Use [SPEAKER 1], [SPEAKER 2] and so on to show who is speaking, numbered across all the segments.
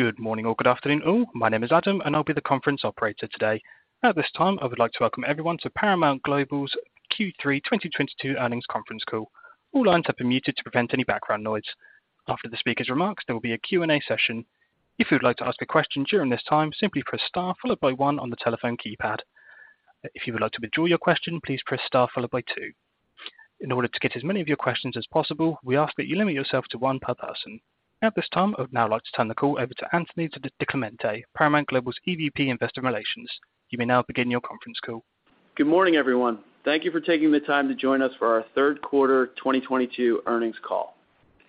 [SPEAKER 1] Good morning or good afternoon all. My Name is Adam, and I'll be the conference operator today. At this time, I would like to welcome everyone to Paramount Global's Q3 2022 Earnings Conference Call. All lines have been muted to prevent any background noise. After the speaker's remarks, there will be a Q&A session. If you would like to ask a question during this time, simply press star followed by one on the telephone keypad. If you would like to withdraw your question, please press star followed by two. In order to get as many of your questions as possible, we ask that you limit yourself to one per person. At this time, I would now like to turn the call over to Anthony DiClemente, Paramount Global's EVP Investor Relations. You may now begin your conference call.
[SPEAKER 2] Good morning, everyone. Thank you for taking the time to join us for our Q3 2022 earnings call.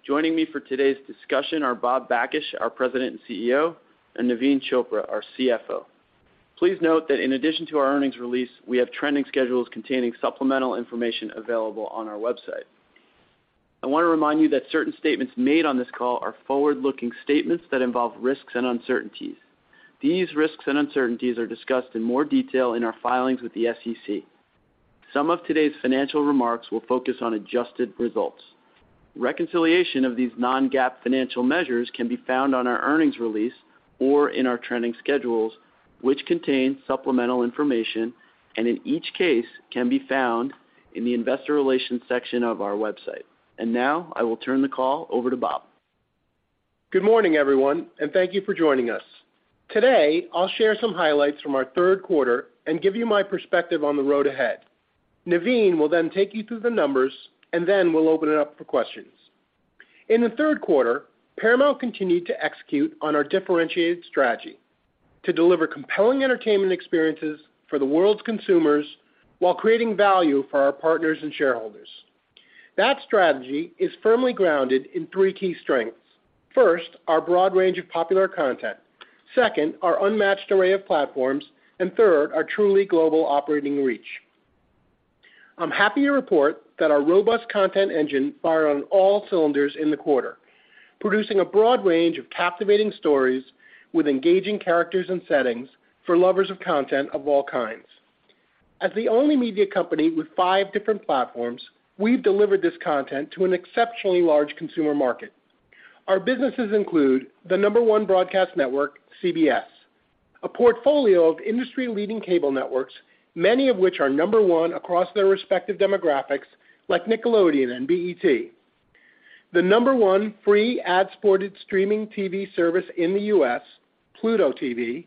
[SPEAKER 2] Joining me for today's discussion are Bob Bakish, our President and CEO, and Naveen Chopra, our CFO. Please note that in addition to our earnings release, we have trending schedules containing supplemental information available on our website. I want to remind you that certain statements made on this call are forward-looking statements that involve risks and uncertainties. These risks and uncertainties are discussed in more detail in our filings with the SEC. Some of today's financial remarks will focus on Adjusted results. Reconciliation of these Non-GAAP financial measures can be found on our earnings release or in our trending schedules, which contain supplemental information, and in each case, can be found in the investor relations section of our website. Now, I will turn the call over to Bob.
[SPEAKER 3] Good morning, everyone, and thank you for joining us. Today, I'll share some highlights from our Q3 and give you my perspective on the road ahead. Naveen will then take you through the numbers, and then we'll open it up for questions. In the Q3, Paramount continued to execute on our differentiated strategy to deliver compelling entertainment experiences for the world's consumers while creating value for our partners and shareholders. That strategy is firmly grounded in three key strengths. First, our broad range of popular content. Second, our unmatched array of platforms. And third, our truly global operating reach. I'm happy to report that our robust content engine fired on all cylinders in the quarter, producing a broad range of captivating stories with engaging characters and settings for lovers of content of all kinds. As the only media company with five different platforms, we've delivered this content to an exceptionally large consumer market. Our businesses include the number one broadcast network, CBS. A portfolio of industry-leading cable networks, many of which are number one across their respective demographics, like Nickelodeon and BET. The number one free ad-supported streaming TV service in the U.S., Pluto TV.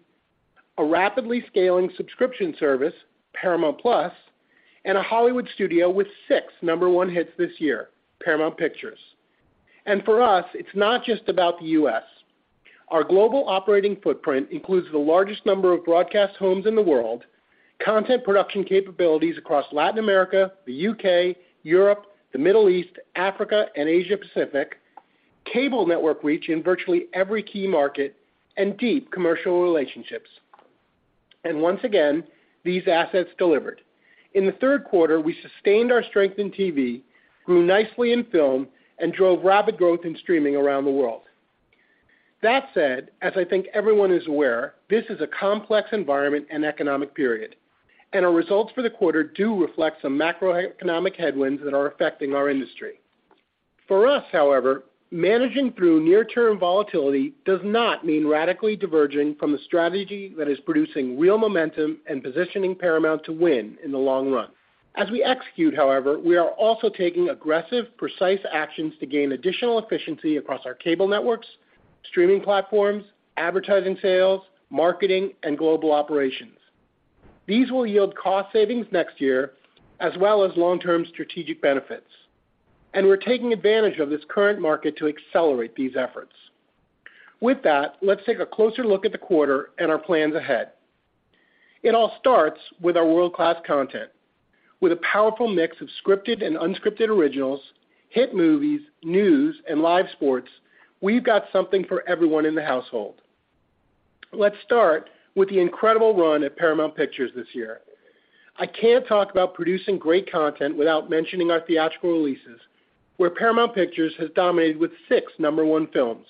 [SPEAKER 3] A rapidly scaling subscription service, Paramount+. A Hollywood studio with six number one hits this year, Paramount Pictures. For us, it's not just about the U.S. Our global operating footprint includes the largest number of broadcast homes in the world, content production capabilities across Latin America, the U.K., Europe, the Middle East, Africa, and Asia Pacific, cable network reach in virtually every key market, and deep commercial relationships. Once again, these assets delivered. In the third quarter, we sustained our strength in TV, grew nicely in film, and drove rapid growth in streaming around the world. That said, as I think everyone is aware, this is a complex environment and economic period, and our results for the quarter do reflect some macroeconomic headwinds that are affecting our industry. For us, however, managing through near-term volatility does not mean radically diverging from the strategy that is producing real momentum and positioning Paramount to win in the long run. As we execute, however, we are also taking aggressive, precise actions to gain additional efficiency across our cable networks, streaming platforms, advertising sales, marketing, and global operations. These will yield cost savings next year as well as long-term strategic benefits. We're taking advantage of this current market to accelerate these efforts. With that, let's take a closer look at the quarter and our plans ahead. It all starts with our world-class content. With a powerful mix of scripted and unscripted originals, hit movies, news, and live sports, we've got something for everyone in the household. Let's start with the incredible run at Paramount Pictures this year. I can't talk about producing great content without mentioning our theatrical releases, where Paramount Pictures has dominated with six number-one films.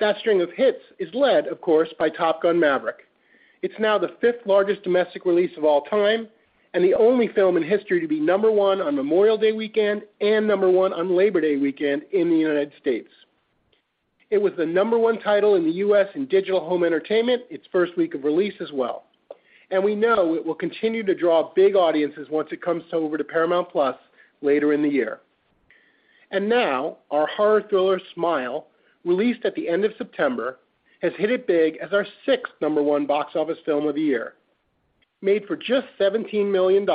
[SPEAKER 3] That string of hits is led, of course, by Top Gun: Maverick. It's now the fifth largest domestic release of all time and the only film in history to be number one on Memorial Day weekend and number one on Labor Day weekend in the United States. It was the number one title in the U.S. in digital home entertainment its first week of release as well. We know it will continue to draw big audiences once it comes over to Paramount+ later in the year. Now, our horror thriller, Smile, released at the end of September, has hit it big as our sixth number one box office film of the year. Made for just $17 million,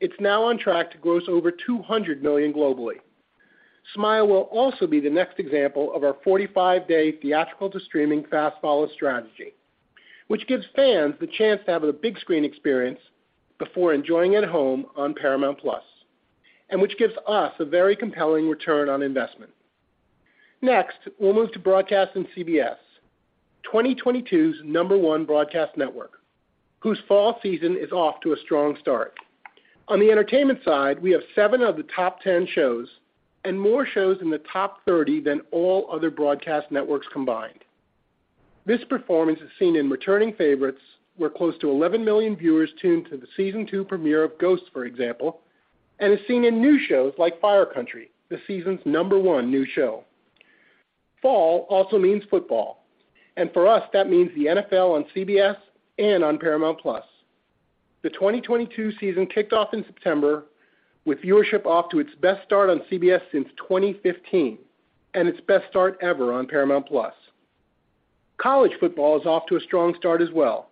[SPEAKER 3] it's now on track to gross over $200 million globally. Smile will also be the next example of our 45-day theatrical to streaming fast follow strategy, which gives fans the chance to have a big screen experience before enjoying at home on Paramount+, and which gives us a very compelling return on investment. Next, we'll move to broadcast and CBS. 2022's number one broadcast network, whose fall season is off to a strong start. On the entertainment side, we have seven of the top 10 shows and more shows in the top 30 than all other broadcast networks combined. This performance is seen in returning favorites, where close to 11 million viewers tuned to the season two premiere of Ghosts, for example, and is seen in new shows like Fire Country, the season's number one new show. Fall also means football, and for us, that means the NFL on CBS and on Paramount+. The 2022 season kicked off in September with viewership off to its best start on CBS since 2015, and its best start ever on Paramount+. College football is off to a strong start as well.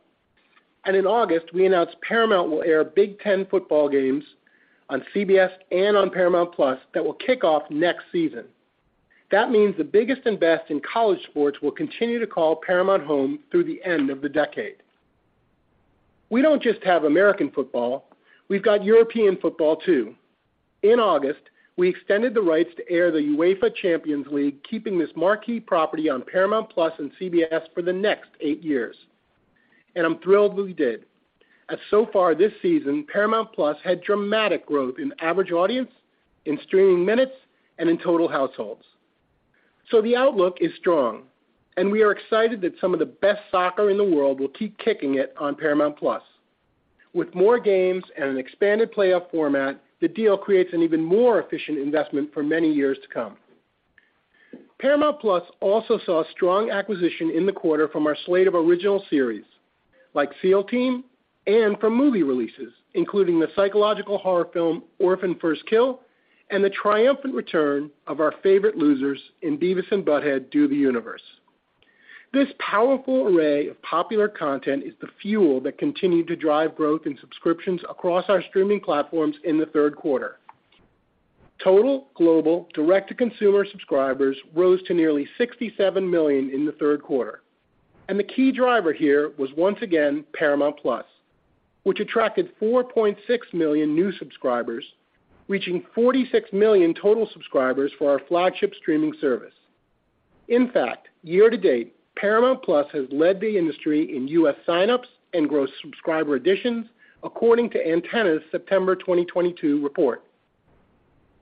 [SPEAKER 3] In August, we announced Paramount will air Big Ten football games on CBS and on Paramount+ that will kick off next season. That means the biggest and best in college sports will continue to call Paramount home through the end of the decade. We don't just have American football, we've got European football too. In August, we extended the rights to air the UEFA Champions League, keeping this marquee property on Paramount+ and CBS for the next eight years. I'm thrilled we did, as so far this season, Paramount+ had dramatic growth in average audience, in streaming minutes, and in total households. The outlook is strong, and we are excited that some of the best soccer in the world will keep kicking it on Paramount+. With more games and an expanded playoff format, the deal creates an even more efficient investment for many years to come. Paramount+ also saw strong acquisition in the quarter from our slate of original series like SEAL Team and from movie releases, including the psychological horror film Orphan: First Kill, and the triumphant return of our favorite losers in Beavis and Butt-Head Do the Universe. This powerful array of popular content is the fuel that continued to drive growth in subscriptions across our streaming platforms in the third quarter. Total global direct-to-consumer subscribers rose to nearly 67 million in the third quarter, and the key driver here was, once again, Paramount+, which attracted 4.6 million new subscribers, reaching 46 million total subscribers for our flagship streaming service. In fact, year-to-date, Paramount+ has led the industry in U.S. sign-ups and gross subscriber additions, according to Antenna's September 2022 report.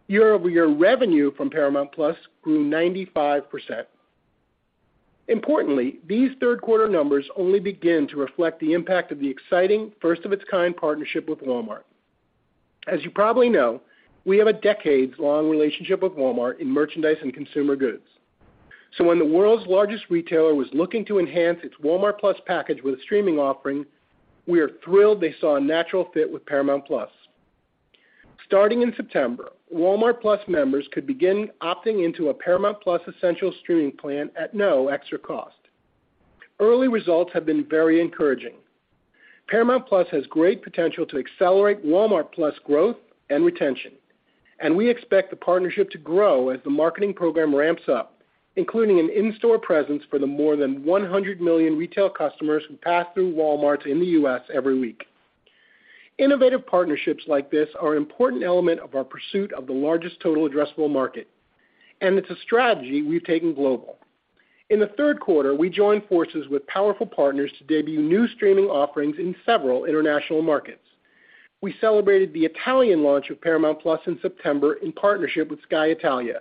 [SPEAKER 3] Year-over-year revenue from Paramount+ grew 95%. Importantly, these third quarter numbers only begin to reflect the impact of the exciting first of its kind partnership with Walmart. As you probably know, we have a decades-long relationship with Walmart in merchandise and consumer goods. When the world's largest retailer was looking to enhance its Walmart+ package with a streaming offering, we are thrilled they saw a natural fit with Paramount+. Starting in September, Walmart+ members could begin opting into a Paramount+ Essential streaming plan at no extra cost. Early results have been very encouraging. Paramount+ has great potential to accelerate Walmart+ growth and retention, and we expect the partnership to grow as the marketing program ramps up, including an in-store presence for the more than 100 million retail customers who pass through Walmart in the U.S. every week. Innovative partnerships like this are an important element of our pursuit of the largest total addressable market, and it's a strategy we've taken global. In the third quarter, we joined forces with powerful partners to debut new streaming offerings in several international markets. We celebrated the Italian launch of Paramount+ in September in partnership with Sky Italia.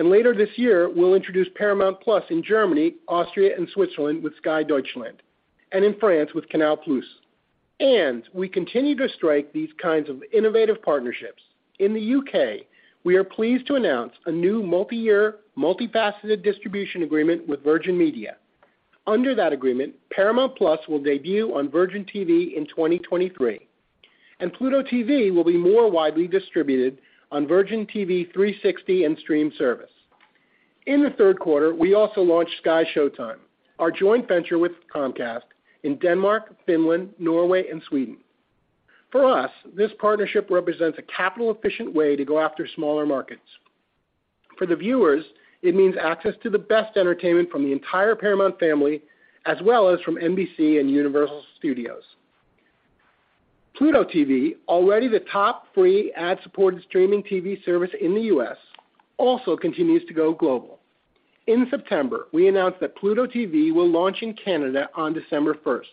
[SPEAKER 3] Later this year, we'll introduce Paramount+ in Germany, Austria, and Switzerland with Sky Deutschland and in France with Canal+. We continue to strike these kinds of innovative partnerships. In the U.K., we are pleased to announce a new multi-year, multifaceted distribution agreement with Virgin Media. Under that agreement, Paramount+ will debut on Virgin Media in 2023, and Pluto TV will be more widely distributed on Virgin TV 360 and streaming service. In the third quarter, we also launched SkyShowtime, our joint venture with Comcast in Denmark, Finland, Norway, and Sweden. For us, this partnership represents a capital efficient way to go after smaller markets. For the viewers, it means access to the best entertainment from the entire Paramount family, as well as from NBC and Universal Studios. Pluto TV, already the top free ad-supported streaming TV service in the U.S., also continues to go global. In September, we announced that Pluto TV will launch in Canada on December first.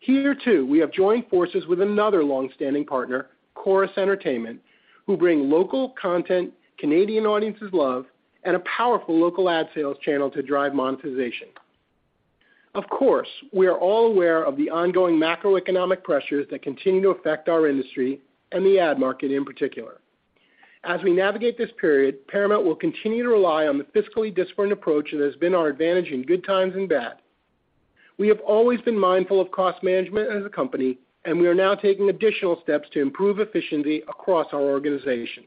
[SPEAKER 3] Here, too, we have joined forces with another long-standing partner, Corus Entertainment, who bring local content Canadian audiences love and a powerful local ad sales channel to drive monetization. Of course, we are all aware of the ongoing macroeconomic pressures that continue to affect our industry and the ad market in particular. As we navigate this period, Paramount will continue to rely on the fiscally disciplined approach that has been our advantage in good times and bad. We have always been mindful of cost management as a company, and we are now taking additional steps to improve efficiency across our organization.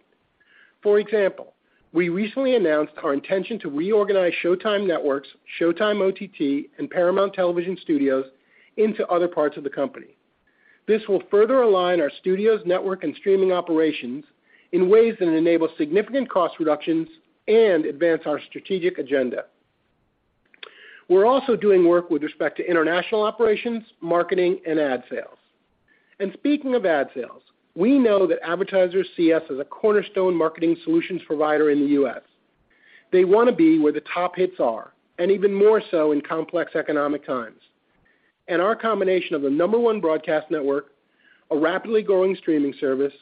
[SPEAKER 3] For example, we recently announced our intention to reorganize Showtime Networks, Showtime OTT, and Paramount Television Studios into other parts of the company. This will further align our studios, network, and streaming operations in ways that enable significant cost reductions and advance our strategic agenda. We're also doing work with respect to international operations, marketing, and ad sales. Speaking of ad sales, we know that advertisers see us as a cornerstone marketing solutions provider in the U.S. They wanna be where the top hits are, and even more so in complex economic times. Our combination of the number one broadcast network, a rapidly growing streaming service,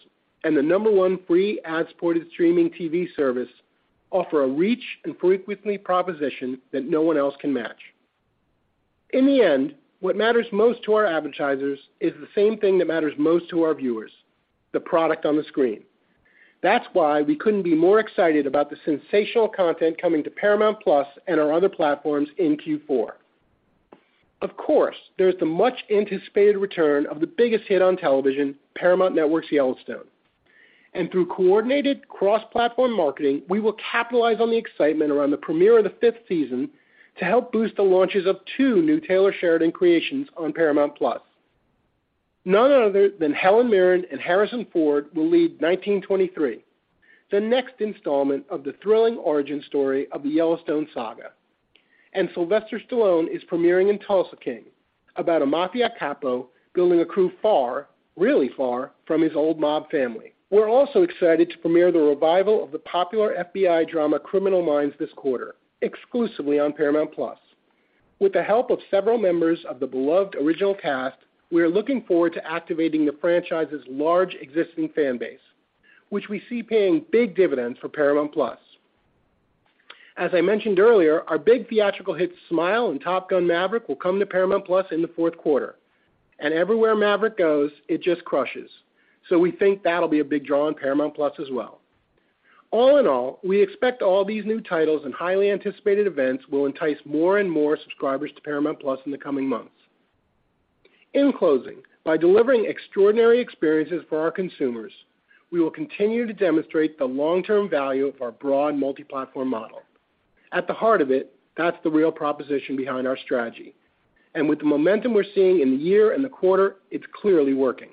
[SPEAKER 3] and the number one free ad-supported streaming TV service offer a reach and frequency proposition that no one else can match. In the end, what matters most to our advertisers is the same thing that matters most to our viewers, the product on the screen. That's why we couldn't be more excited about the sensational content coming to Paramount+ and our other platforms in Q4. Of course, there's the much-anticipated return of the biggest hit on television, Paramount Network's Yellowstone. Through coordinated cross-platform marketing, we will capitalize on the excitement around the premiere of the fifth season to help boost the launches of two new Taylor Sheridan creations on Paramount+. None other than Helen Mirren and Harrison Ford will lead 1923, the next installment of the thrilling origin story of the Yellowstone saga. Sylvester Stallone is premiering in Tulsa King, about a mafia capo building a crew far, really far, from his old mob family. We're also excited to premiere the revival of the popular FBI drama Criminal Minds this quarter, exclusively on Paramount+. With the help of several members of the beloved original cast, we are looking forward to activating the franchise's large existing fan base, which we see paying big dividends for Paramount+. As I mentioned earlier, our big theatrical hits Smile and Top Gun: Maverick will come to Paramount+ in the fourth quarter. Everywhere Maverick goes, it just crushes. We think that'll be a big draw on Paramount+ as well. All in all, we expect all these new titles and highly anticipated events will entice more and more subscribers to Paramount+ in the coming months. In closing, by delivering extraordinary experiences for our consumers, we will continue to demonstrate the long-term value of our broad multi-platform model. At the heart of it, that's the real proposition behind our strategy. With the momentum we're seeing in the year and the quarter, it's clearly working.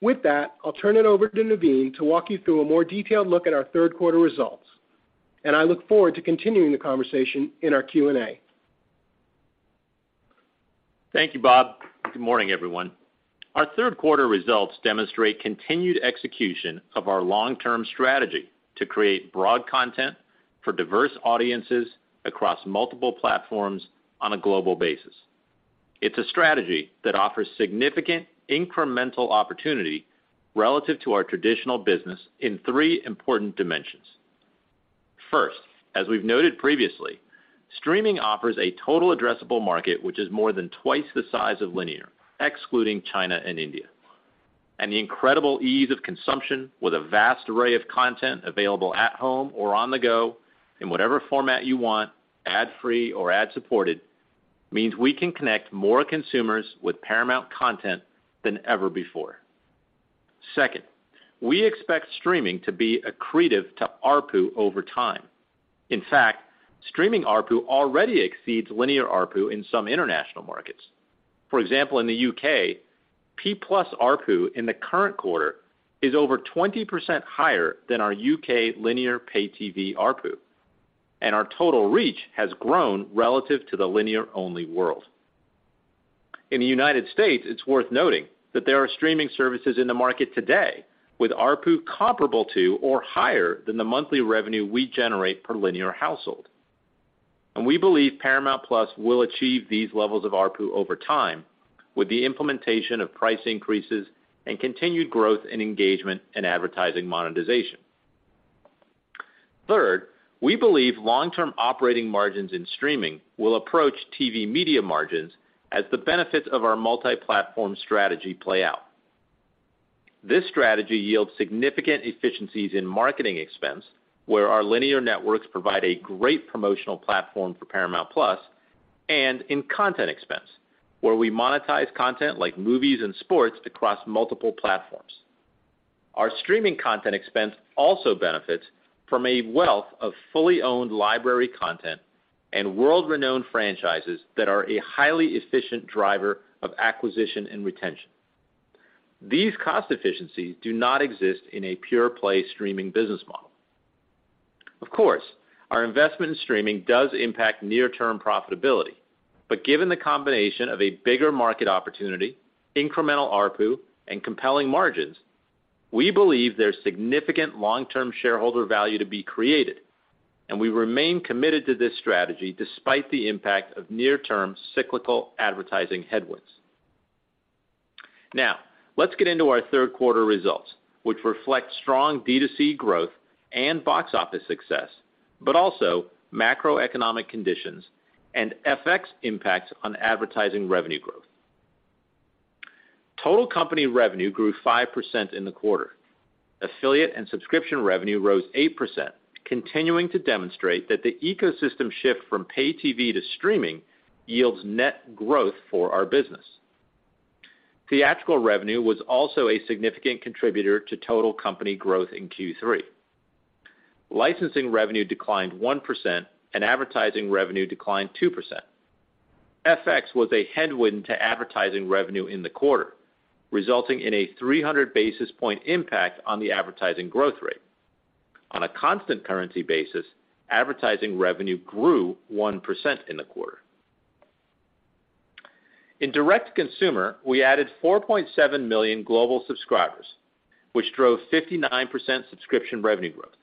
[SPEAKER 3] With that, I'll turn it over to Naveen to walk you through a more detailed look at our third quarter results. I look forward to continuing the conversation in our Q&A.
[SPEAKER 4] Thank you, Bob. Good morning, everyone. Our Q3 results demonstrate continued execution of our long-term strategy to create broad content for diverse audiences across multiple platforms on a global basis. It's a strategy that offers significant incremental opportunity relative to our traditional business in three important dimensions. First, as we've noted previously, streaming offers a total addressable market which is more than twice the size of linear, excluding China and India. The incredible ease of consumption with a vast array of content available at home or on the go in whatever format you want, ad-free or ad-supported, means we can connect more consumers with Paramount content than ever before. Second, we expect streaming to be accretive to ARPU over time. In fact, streaming ARPU already exceeds linear ARPU in some international markets. For example, in the U.K, Paramount+ ARPU in the current quarter is over 20% higher than our U.K. linear pay TV ARPU, and our total reach has grown relative to the linear-only world. In the United States, it's worth noting that there are streaming services in the market today with ARPU comparable to or higher than the monthly revenue we generate per linear household. We believe Paramount+ will achieve these levels of ARPU over time with the implementation of price increases and continued growth in engagement and advertising monetization. Third, we believe long-term operating margins in streaming will approach TV media margins as the benefits of our multi-platform strategy play out. This strategy yields significant efficiencies in marketing expense, where our linear networks provide a great promotional platform for Paramount+, and in content expense, where we monetize content like movies and sports across multiple platforms. Our streaming content expense also benefits from a wealth of fully owned library content and world-renowned franchises that are a highly efficient driver of acquisition and retention. These cost efficiencies do not exist in a pure-play streaming business model. Of course, our investment in streaming does impact near-term profitability. Given the combination of a bigger market opportunity, incremental ARPU, and compelling margins, we believe there's significant long-term shareholder value to be created, and we remain committed to this strategy despite the impact of near-term cyclical advertising headwinds. Now, let's get into our third quarter results, which reflect strong D2C growth and box office success, but also macroeconomic conditions and FX impacts on advertising revenue growth. Total company revenue grew 5% in the quarter. Affiliate and subscription revenue rose 8%, continuing to demonstrate that the ecosystem shift from pay TV to streaming yields net growth for our business. Theatrical revenue was also a significant contributor to total company growth in Q3. Licensing revenue declined 1%, and advertising revenue declined 2%. FX was a headwind to advertising revenue in the quarter, resulting in a 300 basis point impact on the advertising growth rate. On a constant currency basis, advertising revenue grew 1% in the quarter. In direct consumer, we added 4.7 million global subscribers, which drove 59% subscription revenue growth.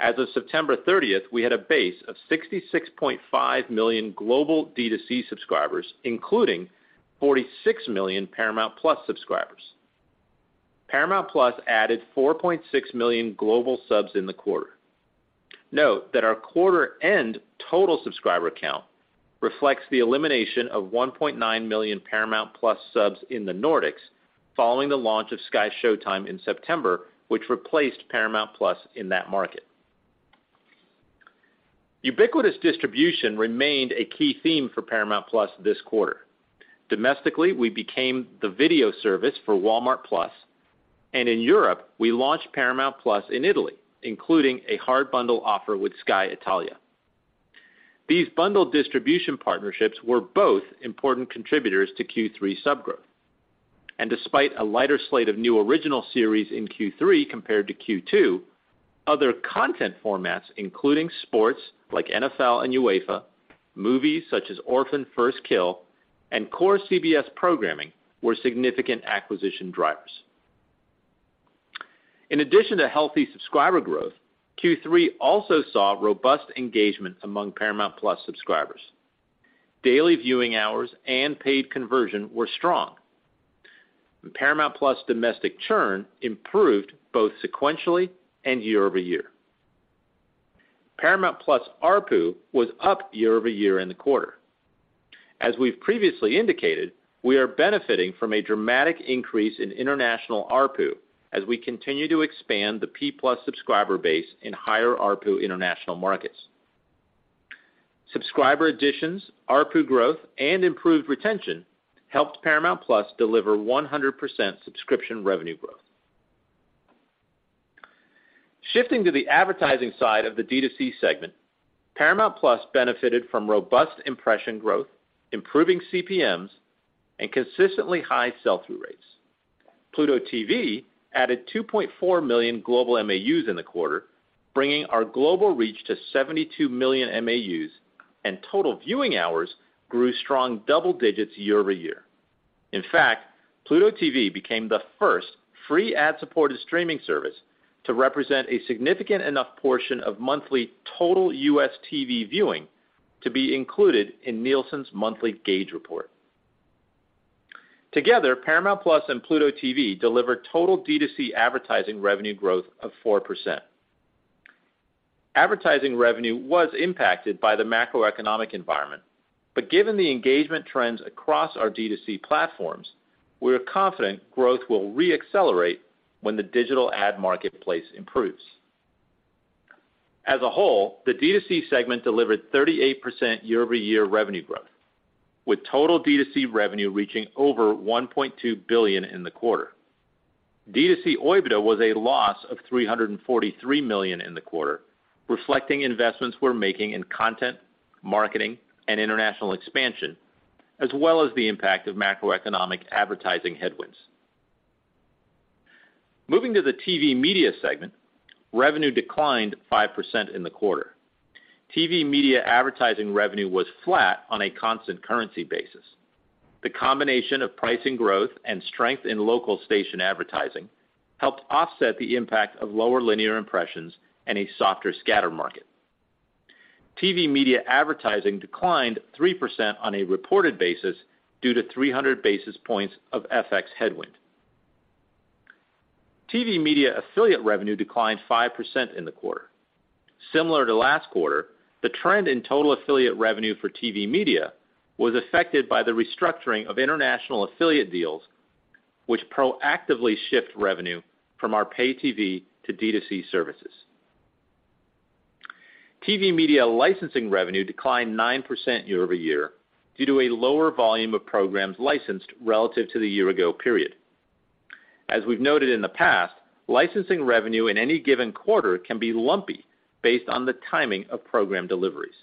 [SPEAKER 4] As of September thirtieth, we had a base of 66.5 million global D2C subscribers, including 46 million Paramount+ subscribers. Paramount+ added 4.6 million global subs in the quarter. Note that our quarter end total subscriber count reflects the elimination of 1.9 million Paramount+ subs in the Nordics following the launch of SkyShowtime in September, which replaced Paramount+ in that market. Ubiquitous distribution remained a key theme for Paramount+ this quarter. Domestically, we became the video service for Walmart+, and in Europe, we launched Paramount+ in Italy, including a hard bundle offer with Sky Italia. These bundled distribution partnerships were both important contributors to Q3 sub growth. Despite a lighter slate of new original series in Q3 compared to Q2, other content formats, including sports like NFL and UEFA, movies such as Orphan: First Kill, and core CBS programming, were significant acquisition drivers. In addition to healthy subscriber growth, Q3 also saw robust engagement among Paramount+ subscribers. Daily viewing hours and paid conversion were strong. Paramount+ domestic churn improved both sequentially and year-over-year. Paramount+ ARPU was up year-over-year in the quarter. As we've previously indicated, we are benefiting from a dramatic increase in international ARPU as we continue to expand the Paramount+ subscriber base in higher ARPU international markets. Subscriber additions, ARPU growth, and improved retention helped Paramount+ deliver 100% subscription revenue growth. Shifting to the advertising side of the D2C segment, Paramount+ benefited from robust impression growth, improving CPMs, and consistently high sell-through rates. Pluto TV added 2.4 million global MAUs in the quarter, bringing our global reach to 72 million MAUs, and total viewing hours grew strong double digits year-over-year. In fact, Pluto TV became the first free ad-supported streaming service to represent a significant enough portion of monthly total U.S. TV viewing to be included in Nielsen's monthly gauge report. Together, Paramount+ and Pluto TV delivered total D2C advertising revenue growth of 4%. Advertising revenue was impacted by the macro-economic environment. Given the engagement trends across our D2C platforms, we are confident growth will re-accelerate when the digital ad marketplace improves. As a whole, the D2C segment delivered 38% year-over-year revenue growth, with total D2C revenue reaching over $1.2 billion in the quarter. D2C OIBDA was a loss of $343 million in the quarter, reflecting investments we're making in content, marketing, and international expansion, as well as the impact of macroeconomic advertising headwinds. Moving to the TV media segment, revenue declined 5% in the quarter. TV media advertising revenue was flat on a constant currency basis. The combination of pricing growth and strength in local station advertising helped offset the impact of lower linear impressions and a softer scatter market. TV media advertising declined 3% on a reported basis due to 300 basis points of FX headwind. TV media affiliate revenue declined 5% in the quarter. Similar to last quarter, the trend in total affiliate revenue for TV media was affected by the restructuring of international affiliate deals, which proactively shift revenue from our pay TV to D2C services. TV media licensing revenue declined 9% year-over-year due to a lower volume of programs licensed relative to the year ago period. As we've noted in the past, licensing revenue in any given quarter can be lumpy based on the timing of program deliveries.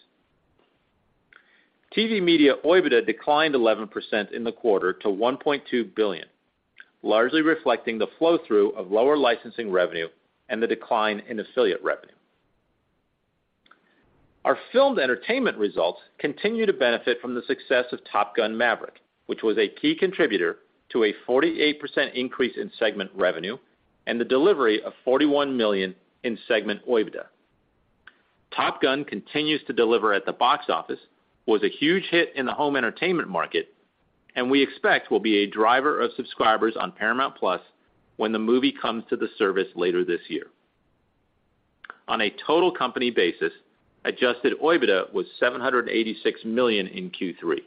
[SPEAKER 4] TV media OIBDA declined 11% in the quarter to $1.2 billion, largely reflecting the flow-through of lower licensing revenue and the decline in affiliate revenue. Our filmed entertainment results continue to benefit from the success of Top Gun: Maverick, which was a key contributor to a 48% increase in segment revenue and the delivery of $41 million in segment OIBDA. Top Gun: Maverick continues to deliver at the box office, was a huge hit in the home entertainment market, and we expect will be a driver of subscribers on Paramount+ when the movie comes to the service later this year. On a total company basis, Adjusted OIBDA was $786 million in Q3,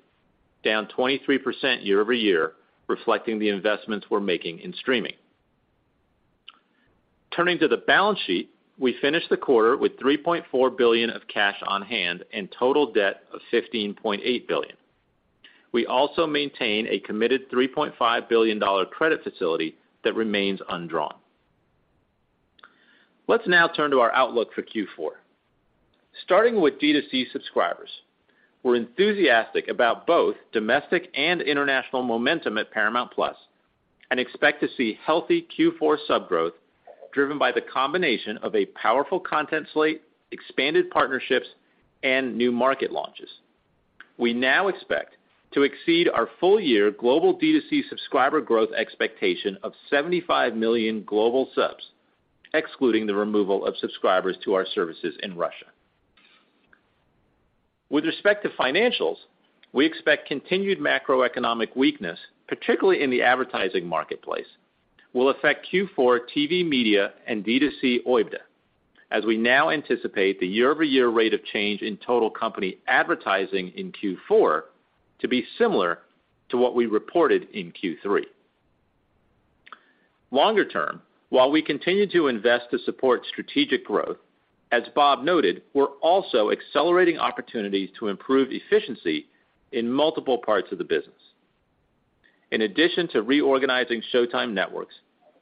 [SPEAKER 4] down 23% year-over-year, reflecting the investments we're making in streaming. Turning to the balance sheet, we finished the quarter with $3.4 billion of cash on hand and total debt of $15.8 billion. We also maintain a committed $3.5 billion credit facility that remains undrawn. Let's now turn to our outlook for Q4. Starting with D2C subscribers, we're enthusiastic about both domestic and international momentum at Paramount Plus and expect to see healthy Q4 sub-growth driven by the combination of a powerful content slate, expanded partnerships, and new market launches. We now expect to exceed our full-year global D2C subscriber growth expectation of 75 million global subs, excluding the removal of subscribers to our services in Russia. With respect to financials, we expect continued macroeconomic weakness, particularly in the advertising marketplace, will affect Q4 TV media and D2C OIBDA as we now anticipate the year-over-year rate of change in total company advertising in Q4 to be similar to what we reported in Q3. Longer term, while we continue to invest to support strategic growth, as Bob noted, we're also accelerating opportunities to improve efficiency in multiple parts of the business. In addition to reorganizing Showtime Networks,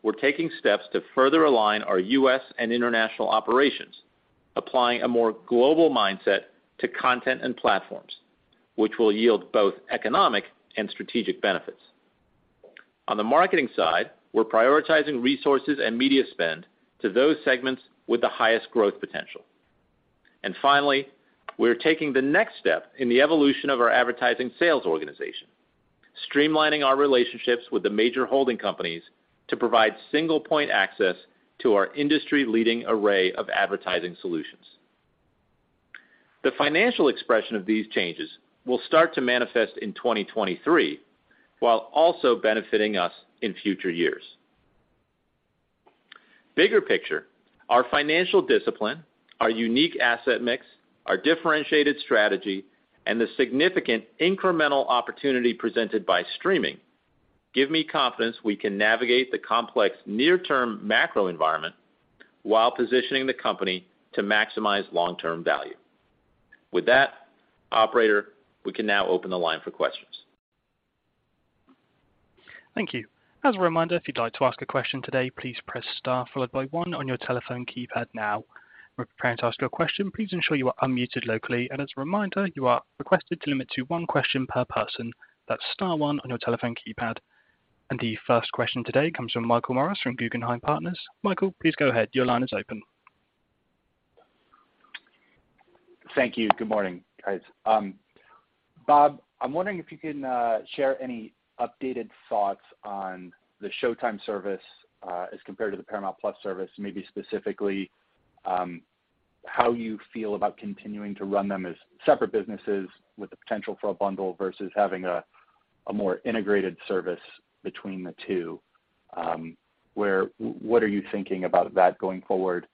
[SPEAKER 4] we're taking steps to further align our U.S. and international operations, applying a more global mindset to content and platforms, which will yield both economic and strategic benefits. On the marketing side, we're prioritizing resources and media spend to those segments with the highest growth potential. Finally, we're taking the next step in the evolution of our advertising sales organization, streamlining our relationships with the major holding companies to provide single point access to our industry-leading array of advertising solutions. The financial expression of these changes will start to manifest in 2023 while also benefiting us in future years. Bigger picture, our financial discipline, our unique asset mix, our differentiated strategy, and the significant incremental opportunity presented by streaming give me confidence we can navigate the complex near-term macro environment while positioning the company to maximize long-term value. With that, operator, we can now open the line for questions.
[SPEAKER 1] Thank you. As a reminder, if you'd like to ask a question today, please press star followed by one on your telephone keypad now. When preparing to ask your question, please ensure you are unmuted locally. As a reminder, you are requested to limit to one question per person. That's star one on your telephone keypad. The first question today comes from Michael Morris from Guggenheim Partners. Michael, please go ahead. Your line is open.
[SPEAKER 5] Thank you. Good morning, guys. Bob, I'm wondering if you can share any updated thoughts on the Showtime service, as compared to the Paramount+ service, maybe specifically, how you feel about continuing to run them as separate businesses with the potential for a bundle versus having a more integrated service between the two. What are you thinking about that going forward?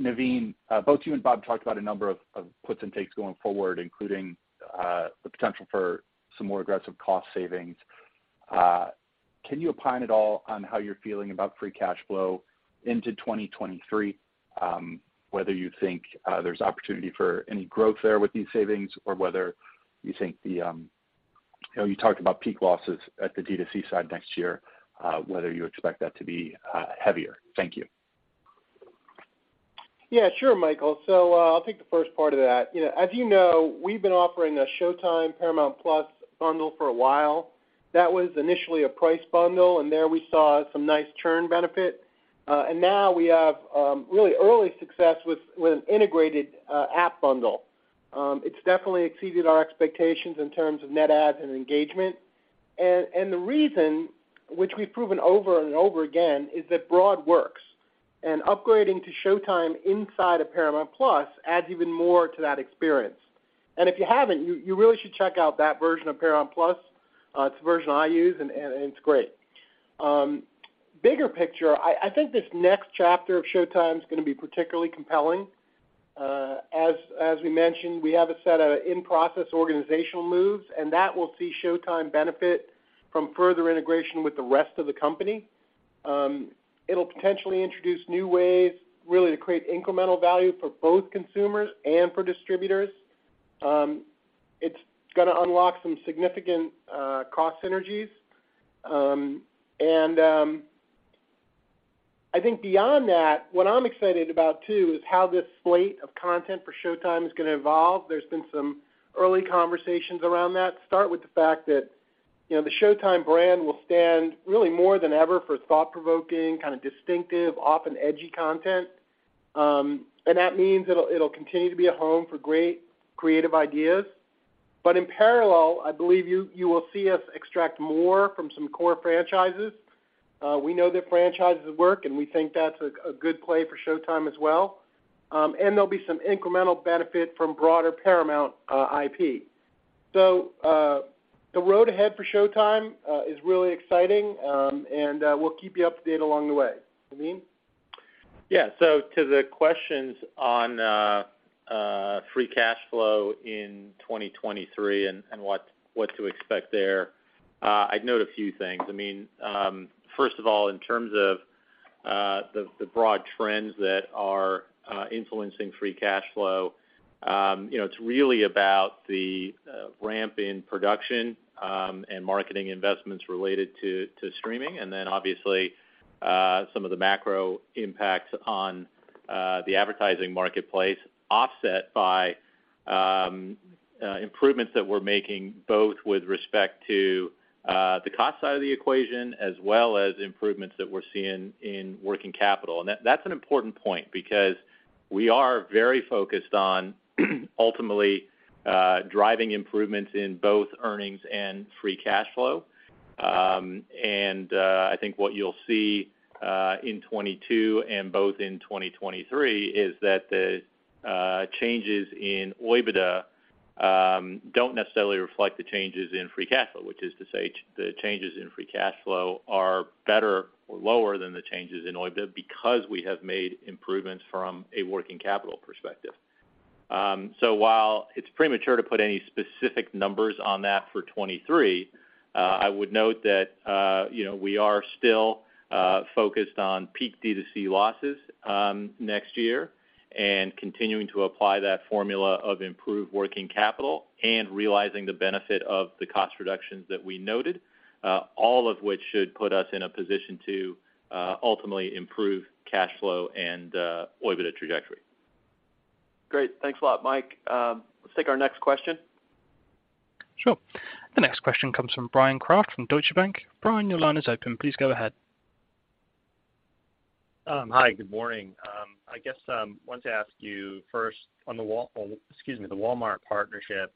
[SPEAKER 5] Naveen, both you and Bob talked about a number of puts and takes going forward, including the potential for some more aggressive cost savings. Can you opine at all on how you're feeling about Free Cash Flow into 2023, whether you think there's opportunity for any growth there with these savings or whether you think the, you know, you talked about peak losses at the D2C side next year, whether you expect that to be heavier. Thank you.
[SPEAKER 3] Yeah, sure, Michael. I'll take the first part of that. You know, as you know, we've been offering a Showtime Paramount+ bundle for a while. That was initially a price bundle, and there we saw some nice churn benefit. Now we have really early success with an integrated app bundle. It's definitely exceeded our expectations in terms of net adds and engagement. The reason, which we've proven over and over again, is that broad works. Upgrading to Showtime inside of Paramount+ adds even more to that experience. If you haven't, you really should check out that version of Paramount+. It's the version I use, and it's great. Bigger picture, I think this next chapter of Showtime is gonna be particularly compelling. As we mentioned, we have a set of in-process organizational moves, and that will see Showtime benefit from further integration with the rest of the company. It'll potentially introduce new ways really to create incremental value for both consumers and for distributors. It's gonna unlock some significant cost synergies. I think beyond that, what I'm excited about too is how this slate of content for Showtime is gonna evolve. There's been some early conversations around that. Start with the fact that, you know, the Showtime brand will stand really more than ever for thought-provoking, kind of distinctive, often edgy content. That means it'll continue to be a home for great creative ideas. But in parallel, I believe you will see us extract more from some core franchises. We know that franchises work, and we think that's a good play for Showtime as well. There'll be some incremental benefit from broader Paramount IP. The road ahead for Showtime is really exciting, and we'll keep you up to date along the way. Naveen?
[SPEAKER 4] Yeah. To the questions on Free Cash Flow in 2023 and what to expect there, I'd note a few things. I mean, first of all, in terms of the broad trends that are influencing Free Cash Flow, you know, it's really about the ramp in production and marketing investments related to streaming, and then obviously, some of the macro impacts on the advertising marketplace offset by improvements that we're making both with respect to the cost side of the equation as well as improvements that we're seeing in working capital. That's an important point because we are very focused on ultimately driving improvements in both earnings and Free Cash Flow. I think what you'll see in 2022 and both in 2023 is that the changes in OIBDA don't necessarily reflect the changes in Free Cash Flow, which is to say the changes in Free Cash Flow are better or lower than the changes in OIBDA because we have made improvements from a working capital perspective. While it's premature to put any specific numbers on that for 2023, I would note that you know, we are still focused on peak D2C losses next year and continuing to apply that formula of improved working capital and realizing the benefit of the cost reductions that we noted, all of which should put us in a position to ultimately improve cash flow and OIBDA trajectory.
[SPEAKER 2] Great. Thanks a lot, Mike. Let's take our next question.
[SPEAKER 1] Sure. The next question comes from Bryan Kraft from Deutsche Bank. Bryan, your line is open. Please go ahead.
[SPEAKER 6] Hi, good morning. I guess wanted to ask you first on the Walmart partnership,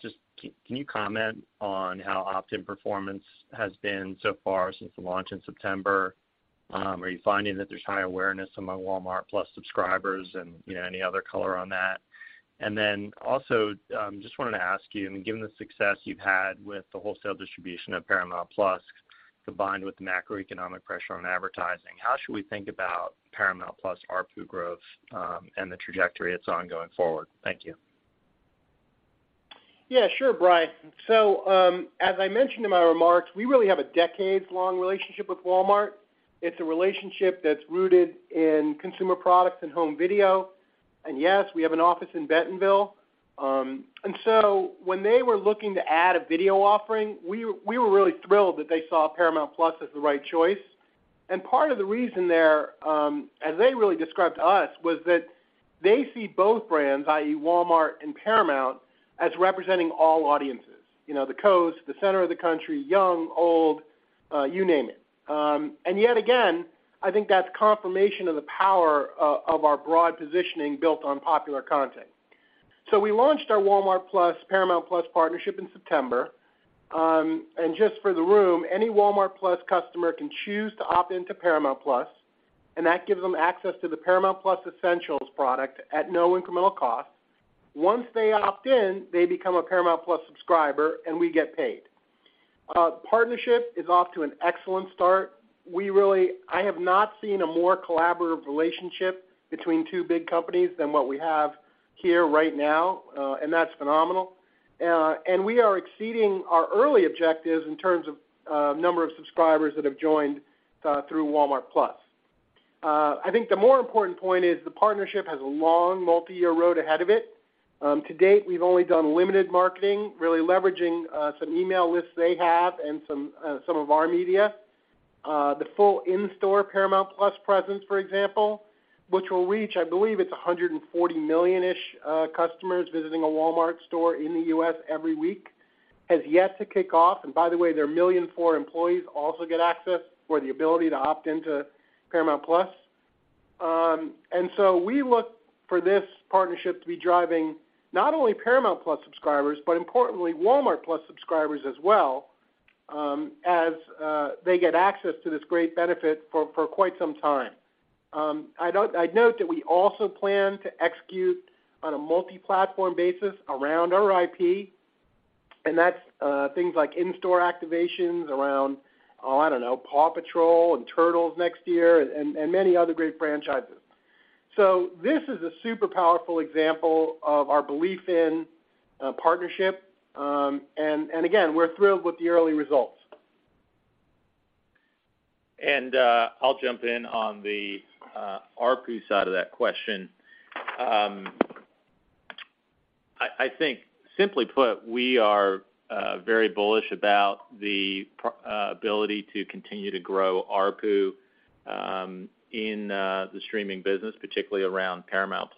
[SPEAKER 6] just can you comment on how opt-in performance has been so far since the launch in September? Are you finding that there's high awareness among Walmart+ subscribers and, you know, any other color on that? Then also, just wanted to ask you, I mean, given the success you've had with the wholesale distribution of Paramount+ combined with the macroeconomic pressure on advertising, how should we think about Paramount+ ARPU growth, and the trajectory it's on going forward? Thank you.
[SPEAKER 3] Yeah, sure, Bryan. As I mentioned in my remarks, we really have a decades-long relationship with Walmart. It's a relationship that's rooted in consumer products and home video. Yes, we have an office in Bentonville. When they were looking to add a video offering, we were really thrilled that they saw Paramount+ as the right choice. Part of the reason there, as they really described to us, was that they see both brands, i.e. Walmart and Paramount, as representing all audiences. You know, the coast, the center of the country, young, old, you name it. Yet again, I think that's confirmation of the power of our broad positioning built on popular content. We launched our Walmart+ Paramount+ partnership in September. Just for the room, any Walmart+ customer can choose to opt into Paramount+, and that gives them access to the Paramount+ Essential product at no incremental cost. Once they opt in, they become a Paramount+ subscriber, and we get paid. Partnership is off to an excellent start. I have not seen a more collaborative relationship between two big companies than what we have here right now, and that's phenomenal. We are exceeding our early objectives in terms of number of subscribers that have joined through Walmart+. I think the more important point is the partnership has a long multi-year road ahead of it. To date, we've only done limited marketing, really leveraging some email lists they have and some of our media. The full in-store Paramount+ presence, for example, which will reach, I believe it's 140 million-ish customers visiting a Walmart store in the U.S. every week, has yet to kick off. By the way, their 1.4 million employees also get access or the ability to opt into Paramount+. We look for this partnership to be driving not only Paramount+ subscribers, but importantly, Walmart+ subscribers as well, as they get access to this great benefit for quite some time. I'd note that we also plan to execute on a multi-platform basis around our IP, and that's things like in-store activations around, I don't know, PAW Patrol and Turtles next year and many other great franchises. This is a super powerful example of our belief in partnership. We're thrilled with the early results.
[SPEAKER 4] I'll jump in on the ARPU side of that question. I think simply put, we are very bullish about the ability to continue to grow ARPU in the streaming business, particularly around Paramount+.